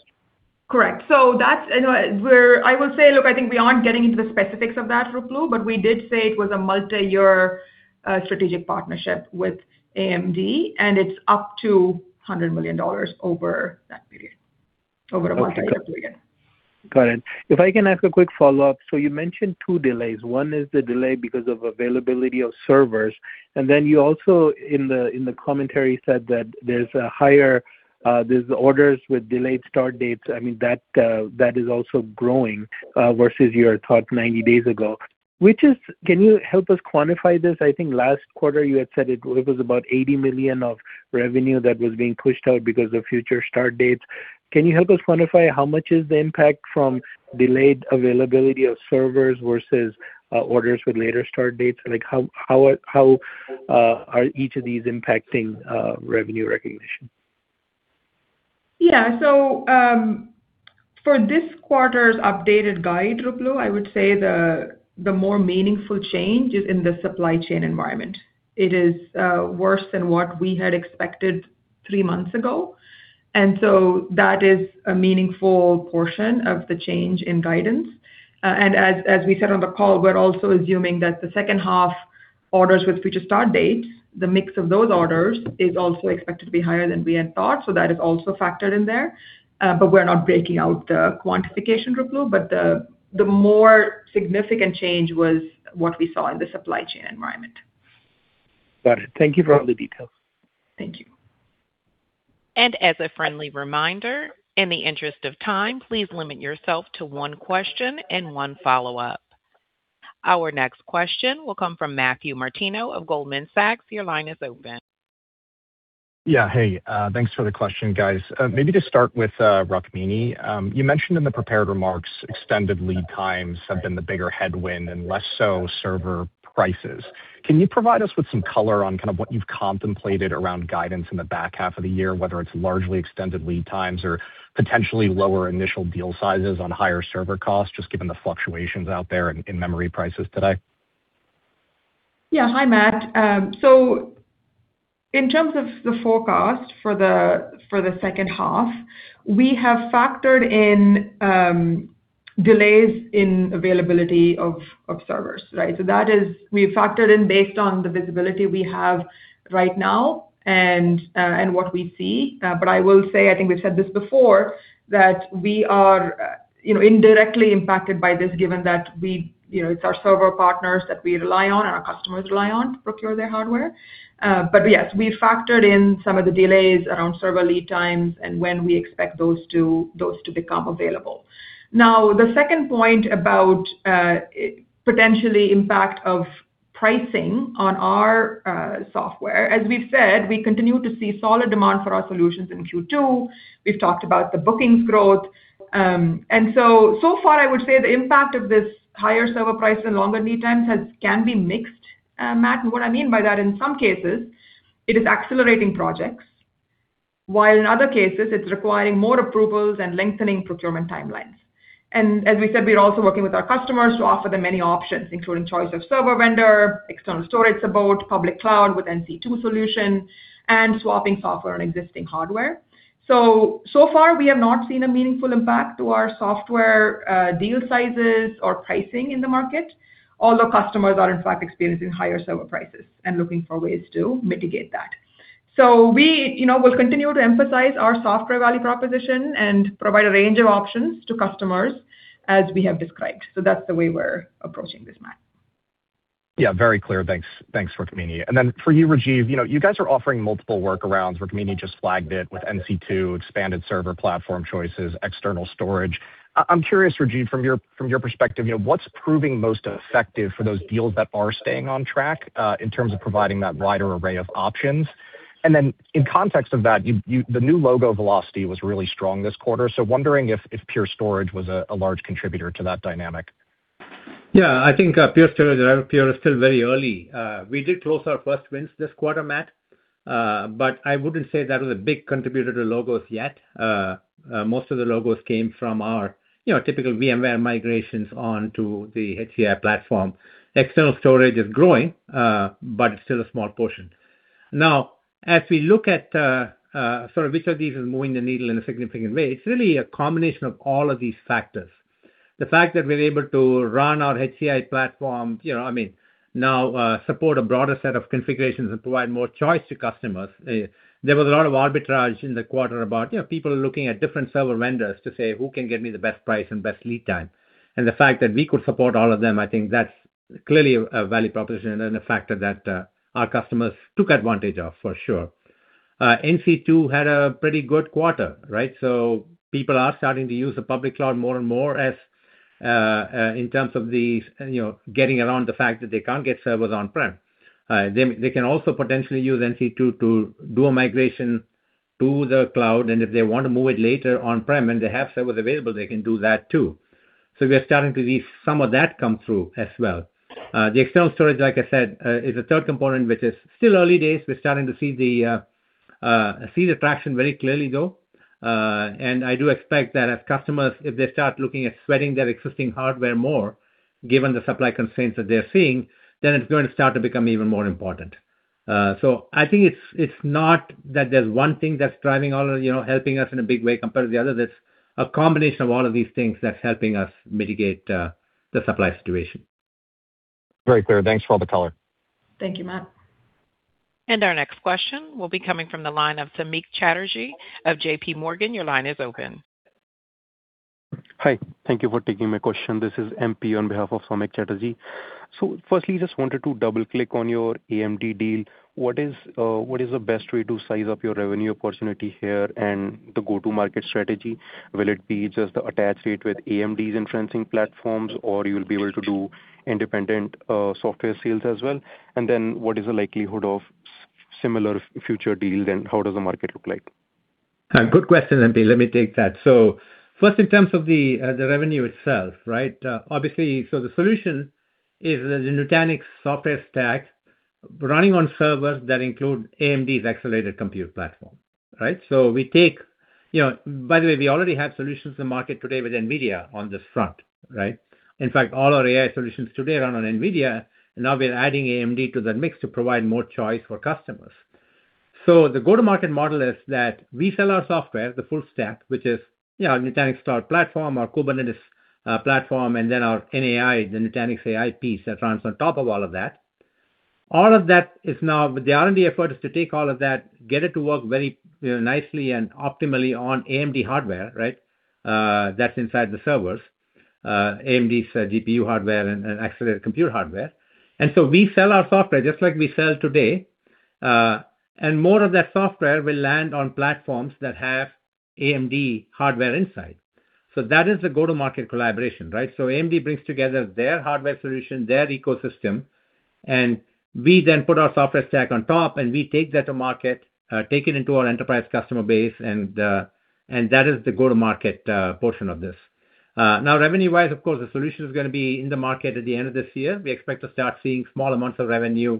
Correct. You know, I will say, look, I think we aren't getting into the specifics of that, Ruplu, but we did say it was a multi-year strategic partnership with AMD, and it's up to $100 million over that period, over a multi-year period. Got it. If I can ask a quick follow-up. You mentioned two delays. One is the delay because of availability of servers, and then you also, in the commentary, said that there's a higher, there's orders with delayed start dates. I mean, that is also growing versus your thought 90 days ago. Can you help us quantify this? I think last quarter you had said it was about $80 million of revenue that was being pushed out because of future start dates. Can you help us quantify how much is the impact from delayed availability of servers versus orders with later start dates? Like, how are each of these impacting revenue recognition? For this quarter's updated guide, Ruplu, I would say the more meaningful change is in the supply chain environment. It is worse than what we had expected three months ago, and so that is a meaningful portion of the change in guidance. As we said on the call, we're also assuming that the second half orders with future start dates, the mix of those orders, is also expected to be higher than we had thought, so that is also factored in there. We're not breaking out the quantification, Ruplu, but the more significant change was what we saw in the supply chain environment. Got it. Thank you for all the details. Thank you. As a friendly reminder, in the interest of time, please limit yourself to one question and one follow-up. Our next question will come from Matthew Martino of Goldman Sachs. Your line is open. Yeah, hey. Thanks for the question, guys. Maybe to start with Rukmini. You mentioned in the prepared remarks, extended lead times have been the bigger headwind and less so server prices. Can you provide us with some color on kind of what you've contemplated around guidance in the back half of the year, whether it's largely extended lead times or potentially lower initial deal sizes on higher server costs, just given the fluctuations out there in memory prices today? Yeah. Hi, Matt. In terms of the forecast for the second half, we have factored in delays in availability of servers, right? We've factored in based on the visibility we have right now and what we see. I will say, I think we've said this before, that we are, you know, indirectly impacted by this, given that we, you know, it's our server partners that we rely on and our customers rely on to procure their hardware. Yes, we factored in some of the delays around server lead times and when we expect those to become available. Now, the second point about potentially impact of pricing on our software. As we've said, we continue to see solid demand for our solutions in Q2. We've talked about the bookings growth. So far, I would say the impact of this higher server price and longer lead times can be mixed, Matt. What I mean by that, in some cases it is accelerating projects, while in other cases it's requiring more approvals and lengthening procurement timelines. As we said, we're also working with our customers to offer them many options, including choice of server vendor, external storage support, public cloud with NC2 solution, and swapping software and existing hardware. So far, we have not seen a meaningful impact to our software deal sizes or pricing in the market, although customers are in fact experiencing higher server prices and looking for ways to mitigate that. We, you know, will continue to emphasize our software value proposition and provide a range of options to customers as we have described. That's the way we're approaching this, Matt. Yeah, very clear. Thanks. Thanks, Rukmini. For you, Rajiv, you know, you guys are offering multiple workarounds. Rukmini just flagged it with NC2, expanded server platform choices, external storage. I'm curious, Rajiv, from your perspective, you know, what's proving most effective for those deals that are staying on track in terms of providing that wider array of options? In context of that, you the new logo velocity was really strong this quarter, so wondering if Pure Storage was a large contributor to that dynamic. Yeah, I think Pure Storage, Pure is still very early. We did close our first wins this quarter, Matt, but I wouldn't say that was a big contributor to logos yet. Most of the logos came from our, you know, typical VMware migrations onto the HCI platform. External storage is growing, but it's still a small portion. Now, as we look at sort of which of these is moving the needle in a significant way, it's really a combination of all of these factors. The fact that we're able to run our HCI platform, you know, I mean, now, support a broader set of configurations and provide more choice to customers. There was a lot of arbitrage in the quarter about, you know, people looking at different server vendors to say, "Who can get me the best price and best lead time?" The fact that we could support all of them, I think that's clearly a value proposition and a factor that our customers took advantage of, for sure. NC2 had a pretty good quarter, right? People are starting to use the public cloud more and more as in terms of the, you know, getting around the fact that they can't get servers on-prem. They can also potentially use NC2 to do a migration to the cloud, and if they want to move it later on-prem, and they have servers available, they can do that too. We are starting to see some of that come through as well. The external storage, like I said, is a third component, which is still early days. We're starting to see the traction very clearly, though. I do expect that as customers, if they start looking at sweating their existing hardware more, given the supply constraints that they're seeing, then it's going to start to become even more important. I think it's not that there's one thing that's driving all of. You know, helping us in a big way compared to the other. It's a combination of all of these things that's helping us mitigate the supply situation. Very clear. Thanks for all the color. Thank you, Matt. Our next question will be coming from the line of Samik Chatterjee of JPMorgan. Your line is open. Hi. Thank you for taking my question. This is MP on behalf of Samik Chatterjee. Firstly, just wanted to double-click on your AMD deal. What is the best way to size up your revenue opportunity here and the go-to-market strategy? Will it be just the attach rate with AMD's inferencing platforms, or you'll be able to do independent software sales as well? What is the likelihood of similar future deals, and how does the market look like? Good question, MP. Let me take that. First, in terms of the revenue itself, right? Obviously, the solution is the Nutanix software stack running on servers that include AMD's accelerated compute platform, right? You know, by the way, we already have solutions in the market today with NVIDIA on this front, right? In fact, all our AI solutions today run on NVIDIA, and now we're adding AMD to the mix to provide more choice for customers. The go-to-market model is that we sell our software, the full stack, which is, you know, Nutanix Cloud Platform, our Kubernetes Platform, and then our NAI, the Nutanix AI piece that runs on top of all of that. All of that is now the R&D effort is to take all of that, get it to work very, you know, nicely and optimally on AMD hardware, right? That's inside the servers. AMD's GPU hardware and accelerated computer hardware. We sell our software just like we sell today, and more of that software will land on platforms that have AMD hardware inside. That is the go-to-market collaboration, right? AMD brings together their hardware solution, their ecosystem, and we then put our software stack on top, and we take that to market, take it into our enterprise customer base, and that is the go-to-market portion of this. Now revenue-wise, of course, the solution is gonna be in the market at the end of this year. We expect to start seeing small amounts of revenue,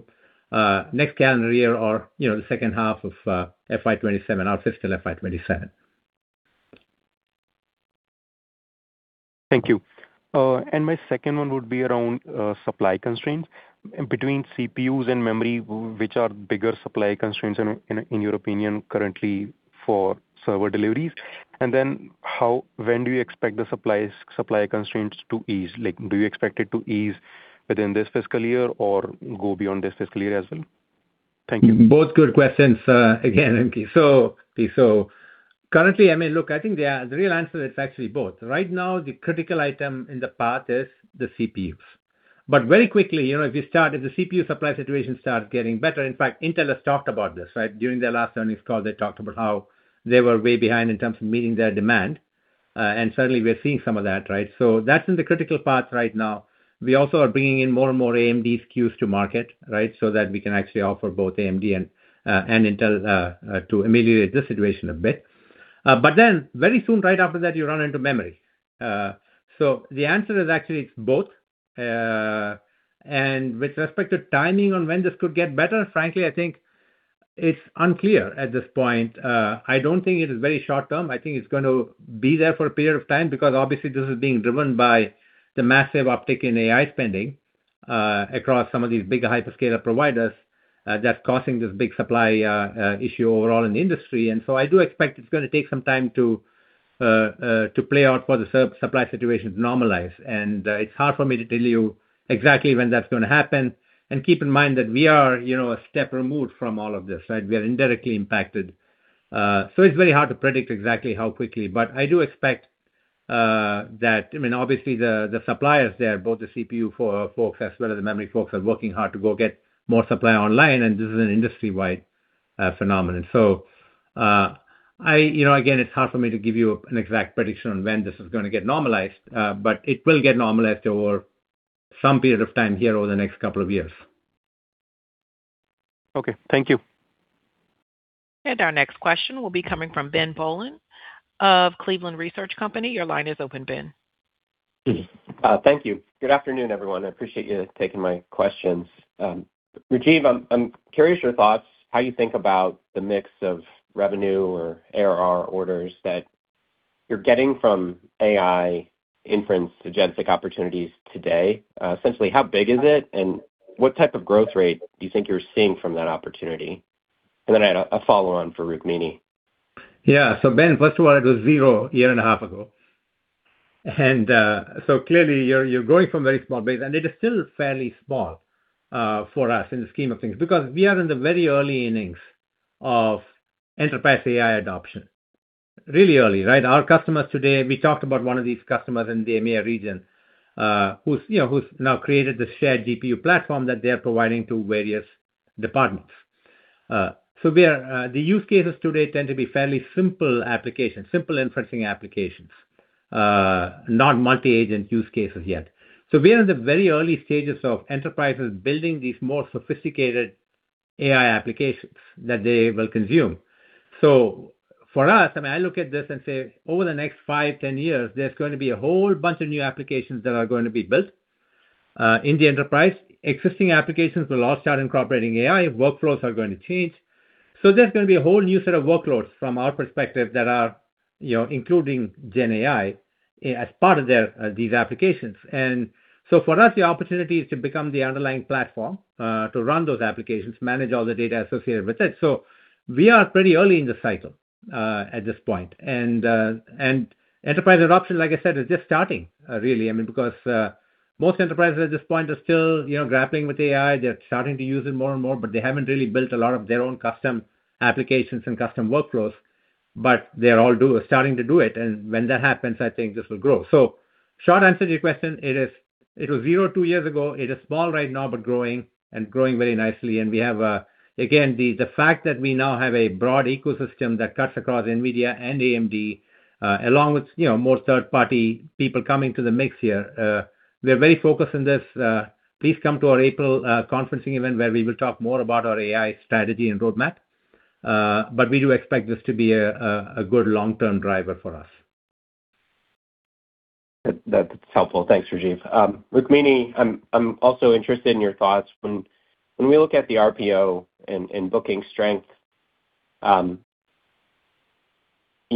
next calendar year or, you know, the second half of FY 2027. Our fiscal FY 2027. Thank you. My second one would be around supply constraints. Between CPUs and memory, which are bigger supply constraints in your opinion, currently for server deliveries? When do you expect supply constraints to ease? Like, do you expect it to ease within this fiscal year or go beyond this fiscal year as well? Thank you. Both good questions, again, MP. MP, currently, I mean, look, I think the real answer is actually both. Right now, the critical item in the path is the CPUs. Very quickly, you know, if the CPU supply situation starts getting better, in fact, Intel has talked about this, right? During their last earnings call, they talked about how they were way behind in terms of meeting their demand, and certainly we're seeing some of that, right? That's in the critical path right now. We also are bringing in more and more AMD SKUs to market, right? That we can actually offer both AMD and Intel to ameliorate the situation a bit. Very soon, right after that, you run into memory. The answer is actually it's both. With respect to timing on when this could get better, frankly, I think it's unclear at this point. I don't think it is very short term. I think it's going to be there for a period of time because obviously this is being driven by the massive uptick in AI spending across some of these bigger hyperscaler providers that's causing this big supply issue overall in the industry. So I do expect it's gonna take some time to play out for the supply situation to normalize. It's hard for me to tell you exactly when that's going to happen. Keep in mind that we are, you know, a step removed from all of this, right? We are indirectly impacted. So it's very hard to predict exactly how quickly. I do expect that, I mean, obviously, the suppliers there, both the CPU for folks as well as the memory folks, are working hard to go get more supply online, and this is an industry-wide phenomenon. I, you know, again, it's hard for me to give you an exact prediction on when this is gonna get normalized, but it will get normalized over some period of time here over the next couple of years. Okay, thank you. Our next question will be coming from Ben Bollin of Cleveland Research Co. Your line is open, Ben. Thank you. Good afternoon, everyone. I appreciate you taking my questions. Rajiv, I'm curious your thoughts, how you think about the mix of revenue or ARR orders that you're getting from AI inference to agentic opportunities today. Essentially, how big is it, and what type of growth rate do you think you're seeing from that opportunity? Then I had a follow-on for Rukmini. Ben, first of all, it was zero a year and a half ago. Clearly, you're growing from a very small base, and it is still fairly small for us in the scheme of things, because we are in the very early innings of enterprise AI adoption. Really early, right? Our customers today, we talked about one of these customers in the EMEA region, who's, you know, who's now created this shared GPU platform that they are providing to various departments. We are, the use cases today tend to be fairly simple applications, simple inferencing applications, not multi-agent use cases yet. We are in the very early stages of enterprises building these more sophisticated AI applications that they will consume. For us, I mean, I look at this and say, over the next five, 10 years, there's gonna be a whole bunch of new applications that are going to be built in the enterprise. Existing applications will all start incorporating AI, workflows are going to change. There's gonna be a whole new set of workloads from our perspective, that are, you know, including GenAI as part of their these applications. For us, the opportunity is to become the underlying platform to run those applications, manage all the data associated with it. We are pretty early in the cycle at this point. Enterprise adoption, like I said, is just starting really. I mean, because most enterprises at this point are still, you know, grappling with AI. They're starting to use it more and more, but they haven't really built a lot of their own custom applications and custom workflows, but they're all starting to do it. When that happens, I think this will grow. Short answer to your question, it is, it was zero two years ago. It is small right now, but growing, and growing very nicely. We have again, the fact that we now have a broad ecosystem that cuts across NVIDIA and AMD, along with, you know, more third-party people coming to the mix here, we are very focused on this. Please come to our April conferencing event, where we will talk more about our AI strategy and roadmap. We do expect this to be a good long-term driver for us. That's helpful. Thanks, Rajiv. Rukmini, I'm also interested in your thoughts. When we look at the RPO and booking strength, you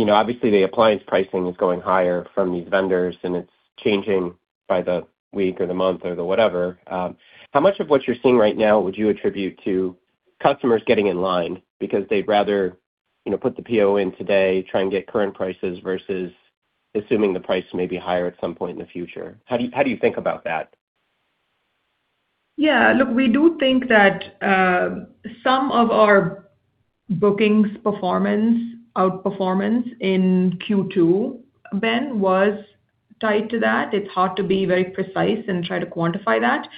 know, obviously the appliance pricing is going higher from these vendors, and it's changing by the week or the month or the whatever. How much of what you're seeing right now would you attribute to customers getting in line because they'd rather, you know, put the PO in today, try and get current prices, versus assuming the price may be higher at some point in the future? How do you think about that? We do think that some of our bookings performance, outperformance in Q2, Ben, was tied to that. It's hard to be very precise and try to quantify that,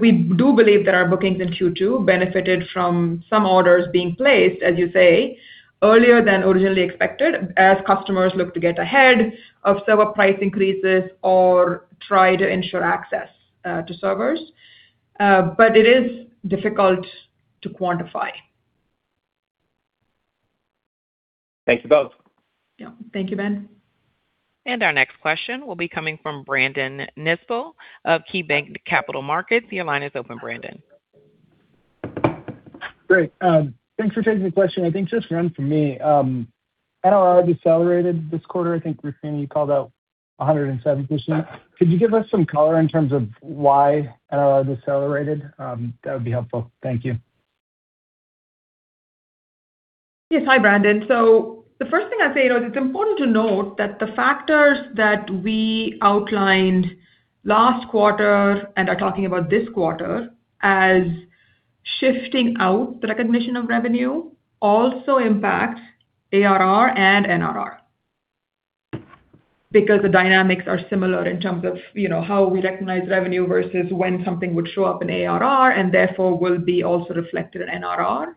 we do believe that our bookings in Q2 benefited from some orders being placed, as you say, earlier than originally expected, as customers looked to get ahead of server price increases or try to ensure access to servers. It is difficult to quantify. Thanks to both. Yeah. Thank you, Ben. Our next question will be coming from Brandon Nispel of KeyBanc Capital Markets. Your line is open, Brandon. Great. Thanks for taking the question. I think just one for me. NRR decelerated this quarter. I think, Rukmini, you called out 170%. Could you give us some color in terms of why NRR decelerated? That would be helpful. Thank you. Hi, Brandon. The first thing I'd say is it's important to note that the factors that we outlined last quarter and are talking about this quarter as shifting out the recognition of revenue, also impacts ARR and NRR. The dynamics are similar in terms of, you know, how we recognize revenue versus when something would show up in ARR, and therefore will be also reflected in NRR.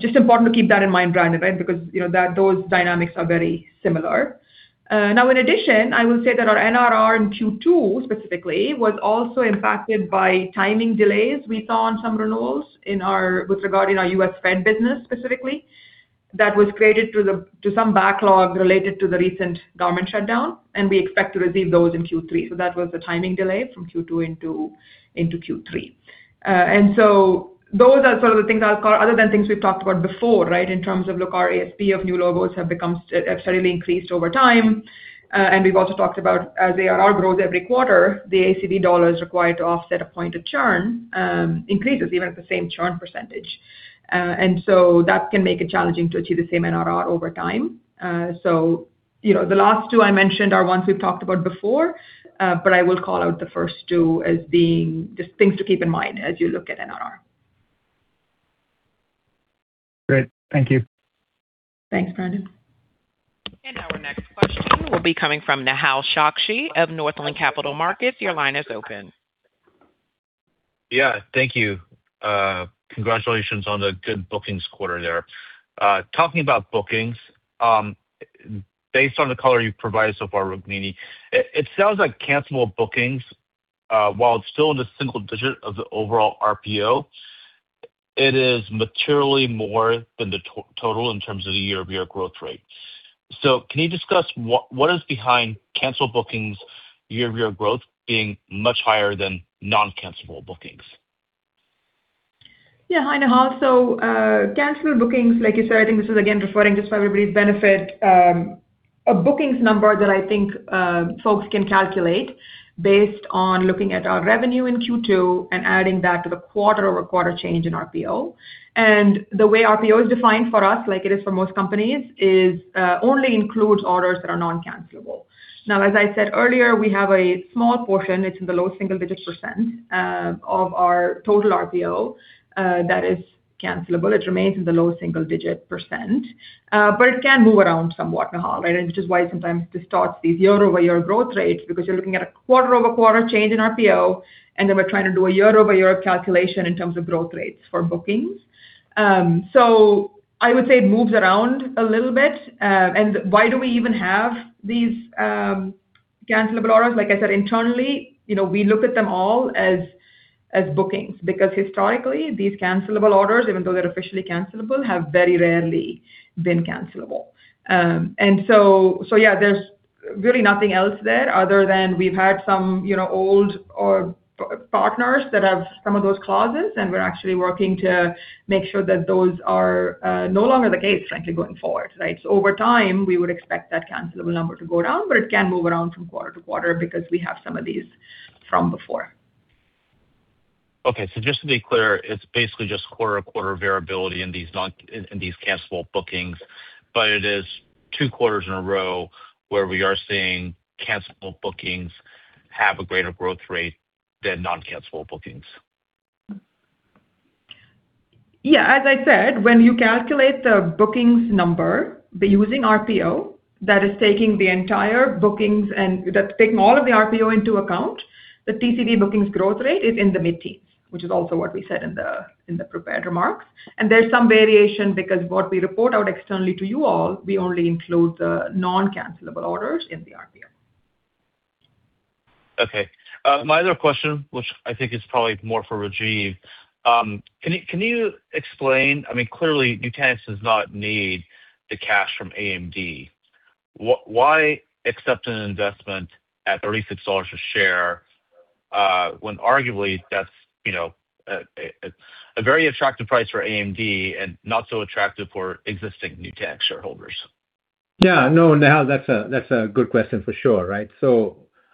Just important to keep that in mind, Brandon, right? You know, those dynamics are very similar. In addition, I will say that our NRR in Q2 specifically, was also impacted by timing delays we saw on some renewals with regard in our U.S. Fed business specifically. That was created to some backlog related to the recent government shutdown, and we expect to receive those in Q3. That was the timing delay from Q2 into Q3. Those are some of the things other than things we've talked about before, right? In terms of, look, our ASP of new logos have become certainly increased over time. We've also talked about as ARR grows every quarter, the ACV dollars required to offset a point of churn, increases even at the same churn%. That can make it challenging to achieve the same NRR over time. You know, the last two I mentioned are ones we've talked about before, but I will call out the first two as being just things to keep in mind as you look at NRR. Great. Thank you. Thanks, Brandon. Our next question will be coming from Nehal Chokshi of Northland Capital Markets. Your line is open. Yeah, thank you. Congratulations on the good bookings quarter there. Talking about bookings, based on the color you've provided so far, Rukmini, it sounds like cancelable bookings, while it's still in the single digit of the overall RPO, it is materially more than the total in terms of the year-over-year growth rate. Can you discuss what is behind cancel bookings year-over-year growth being much higher than non-cancelable bookings? Hi, Nehal. Cancelable bookings, like you said, I think this is again, referring just for everybody's benefit, a bookings number that I think folks can calculate based on looking at our revenue in Q2 and adding that to the quarter-over-quarter change in RPO. The way RPO is defined for us, like it is for most companies, is only includes orders that are non-cancelable. As I said earlier, we have a small portion, it's in the low single-digit percent of our total RPO that is cancelable. It remains in the low single-digit percent, but it can move around somewhat, Nehal, right? Which is why it sometimes distorts these year-over-year growth rates, because you're looking at a quarter-over-quarter change in RPO, then we're trying to do a year-over-year calculation in terms of growth rates for bookings. I would say it moves around a little bit. Why do we even have these cancelable orders? Like I said, internally, you know, we look at them all as bookings, because historically, these cancelable orders, even though they're officially cancelable, have very rarely been cancelable. Yeah, there's really nothing else there other than we've had some, you know, old or partners that have some of those clauses, and we're actually working to make sure that those are no longer the case, frankly, going forward, right? Over time, we would expect that cancelable number to go down, but it can move around from quarter to quarter because we have some of these from before. Just to be clear, it's basically just quarter-over-quarter variability in these cancelable bookings, but it is two quarters in a row where we are seeing cancelable bookings have a greater growth rate than non-cancelable bookings. Yeah. As I said, when you calculate the bookings number by using RPO, that's taking all of the RPO into account, the TCV bookings growth rate is in the mid-teens, which is also what we said in the prepared remarks. There's some variation because what we report out externally to you all, we only include the non-cancelable orders in the RPO. Okay. My other question, which I think is probably more for Rajiv, can you explain, I mean, clearly, Nutanix does not need the cash from AMD. Why accept an investment at $36 a share, when arguably that's, you know, a very attractive price for AMD and not so attractive for existing Nutanix shareholders? No, Nehal, that's a good question for sure, right?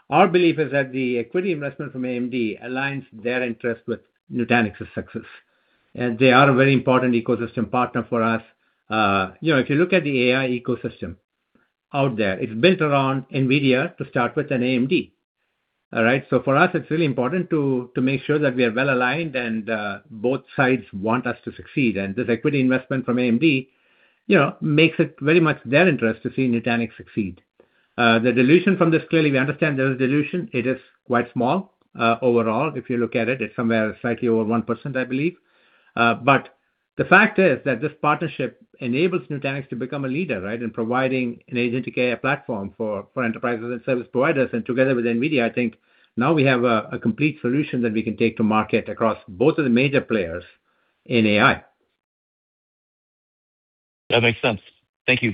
Our belief is that the equity investment from AMD aligns their interest with Nutanix's success, and they are a very important ecosystem partner for us. you know, if you look at the AI ecosystem out there, it's built around NVIDIA, to start with, and AMD. All right? For us, it's really important to make sure that we are well aligned and both sides want us to succeed. This equity investment from AMD, you know, makes it very much their interest to see Nutanix succeed. The dilution from this, clearly, we understand there is dilution. It is quite small, overall, if you look at it's somewhere slightly over 1%, I believe. The fact is that this partnership enables Nutanix to become a leader, right, in providing an agentic AI platform for enterprises and service providers. Together with NVIDIA, I think now we have a complete solution that we can take to market across both of the major players in AI. That makes sense. Thank you.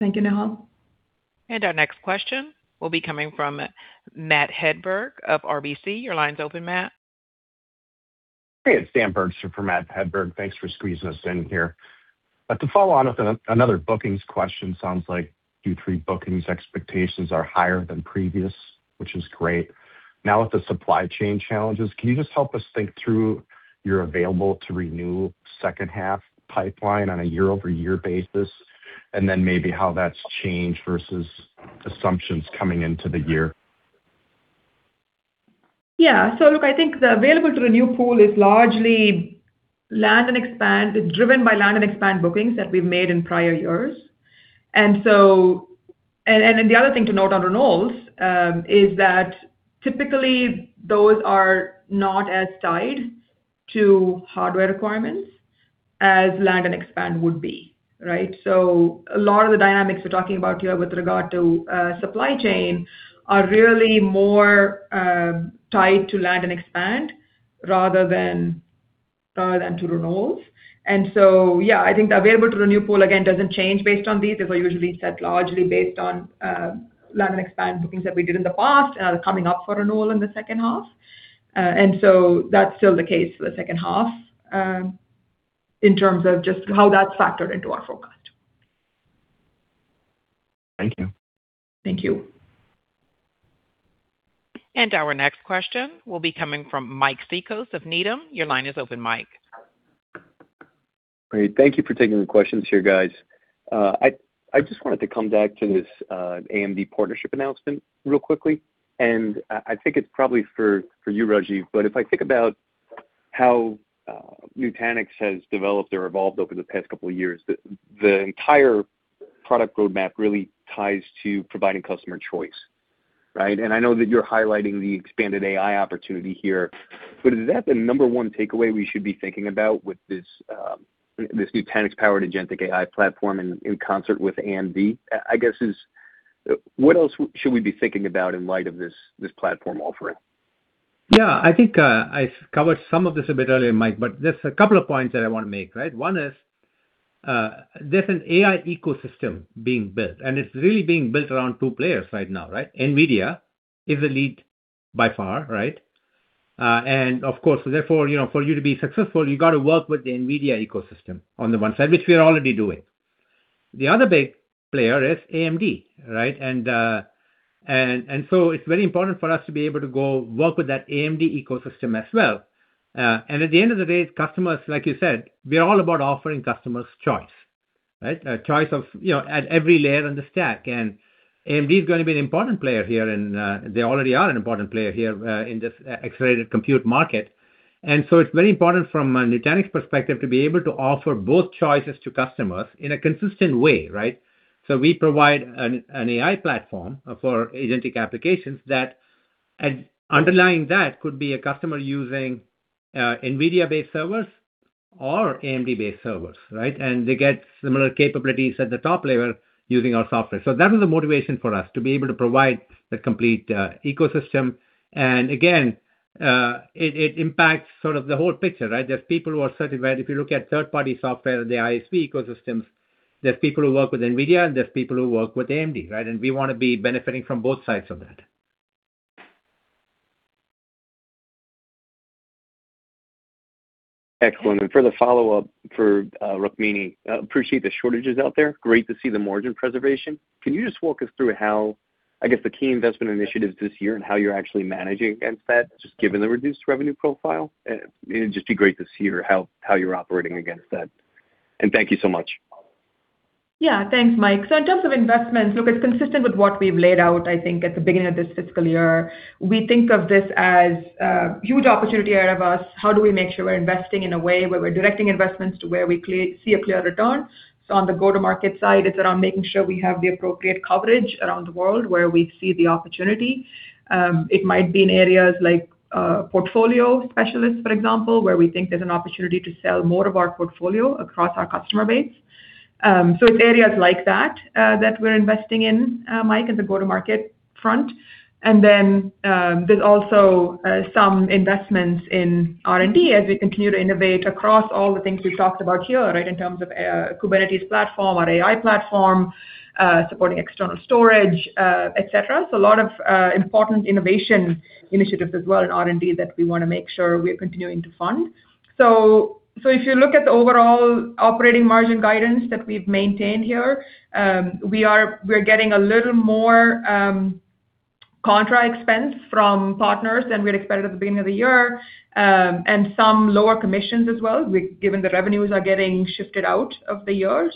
Thank you, Nehal. Our next question will be coming from Matt Hedberg of RBC. Your line's open, Matt. Hey, it's Dan Bergstrom for Matt Hedberg. Thanks for squeezing us in here. To follow on with another bookings question, sounds like Q3 bookings expectations are higher than previous, which is great. With the supply chain challenges, can you just help us think through your available to renew second half pipeline on a year-over-year basis, and then maybe how that's changed versus assumptions coming into the year? Look, I think the available to renew pool is largely land and expand. It's driven by land and expand bookings that we've made in prior years. The other thing to note on renewals, is that typically those are not as tied to hardware requirements as land and expand would be, right? A lot of the dynamics we're talking about here with regard to supply chain are really more tied to land and expand rather than than to renewals. I think the available to renew pool, again, doesn't change based on these. These are usually set largely based on land and expand bookings that we did in the past and are coming up for renewal in the second half. That's still the case for the second half, in terms of just how that's factored into our forecast. Thank you. Thank you. Our next question will be coming from Mike Cikos of Needham. Your line is open, Mike. Great. Thank you for taking the questions here, guys. I just wanted to come back to this AMD partnership announcement real quickly, and I think it's probably for you, Rajiv, but if I think about how Nutanix has developed or evolved over the past couple of years, the entire product roadmap really ties to providing customer choice, right? I know that you're highlighting the expanded AI opportunity here, but is that the number one takeaway we should be thinking about with this Nutanix powered agentic AI platform in concert with AMD? I guess, what else should we be thinking about in light of this platform offering? I think, I covered some of this a bit earlier, Mike, but there's a couple of points that I want to make, right? One is, there's an AI ecosystem being built, and it's really being built around two players right now, right? NVIDIA is the lead by far, right? Of course, therefore, you know, for you to be successful, you got to work with the NVIDIA ecosystem on the one side, which we are already doing. The other big player is AMD, right? It's very important for us to be able to go work with that AMD ecosystem as well. At the end of the day, customers, like you said, we're all about offering customers choice, right? A choice of, you know, at every layer on the stack. AMD is going to be an important player here, they already are an important player here, in this accelerated compute market. It's very important from a Nutanix perspective, to be able to offer both choices to customers in a consistent way, right? We provide an AI platform for agentic applications that, and underlying that could be a customer using NVIDIA-based servers or AMD-based servers, right? They get similar capabilities at the top layer using our software. That was a motivation for us to be able to provide the complete ecosystem. Again, it impacts sort of the whole picture, right? There's people who are certified. If you look at third-party software, the ISV ecosystems, there's people who work with NVIDIA, and there's people who work with AMD, right? We want to be benefiting from both sides of that. Excellent. For the follow-up for Rukmini, I appreciate the shortages out there. Great to see the margin preservation. Can you just walk us through how, I guess, the key investment initiatives this year and how you're actually managing against that, just given the reduced revenue profile? It's just great to see how you're operating against that. Thank you so much. Thanks, Mike. In terms of investments, look, it's consistent with what we've laid out, I think at the beginning of this fiscal year. We think of this as a huge opportunity ahead of us. How do we make sure we're investing in a way where we're directing investments to where we see a clear return? On the go-to-market side, it's around making sure we have the appropriate coverage around the world, where we see the opportunity. It might be in areas like portfolio specialists, for example, where we think there's an opportunity to sell more of our portfolio across our customer base. It's areas like that that we're investing in, Mike, in the go-to-market front. There's also some investments in R&D as we continue to innovate across all the things we've talked about here, right? In terms of Kubernetes Platform, our AI platform, supporting external storage, et cetera. A lot of important innovation initiatives as well in R&D that we want to make sure we're continuing to fund. If you look at the overall operating margin guidance that we've maintained here, we're getting a little more contra expense from partners than we had expected at the beginning of the year, and some lower commissions as well, given the revenues are getting shifted out of the year.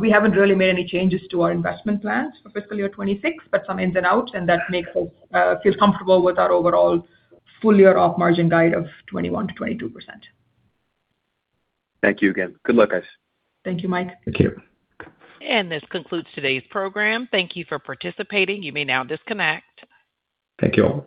We haven't really made any changes to our investment plans for fiscal year 2026, but some ins and outs, and that makes us feel comfortable with our overall full year op margin guide of 21%-22%. Thank you again. Good luck, guys. Thank you, Mike. Thank you. This concludes today's program. Thank you for participating. You may now disconnect. Thank you all.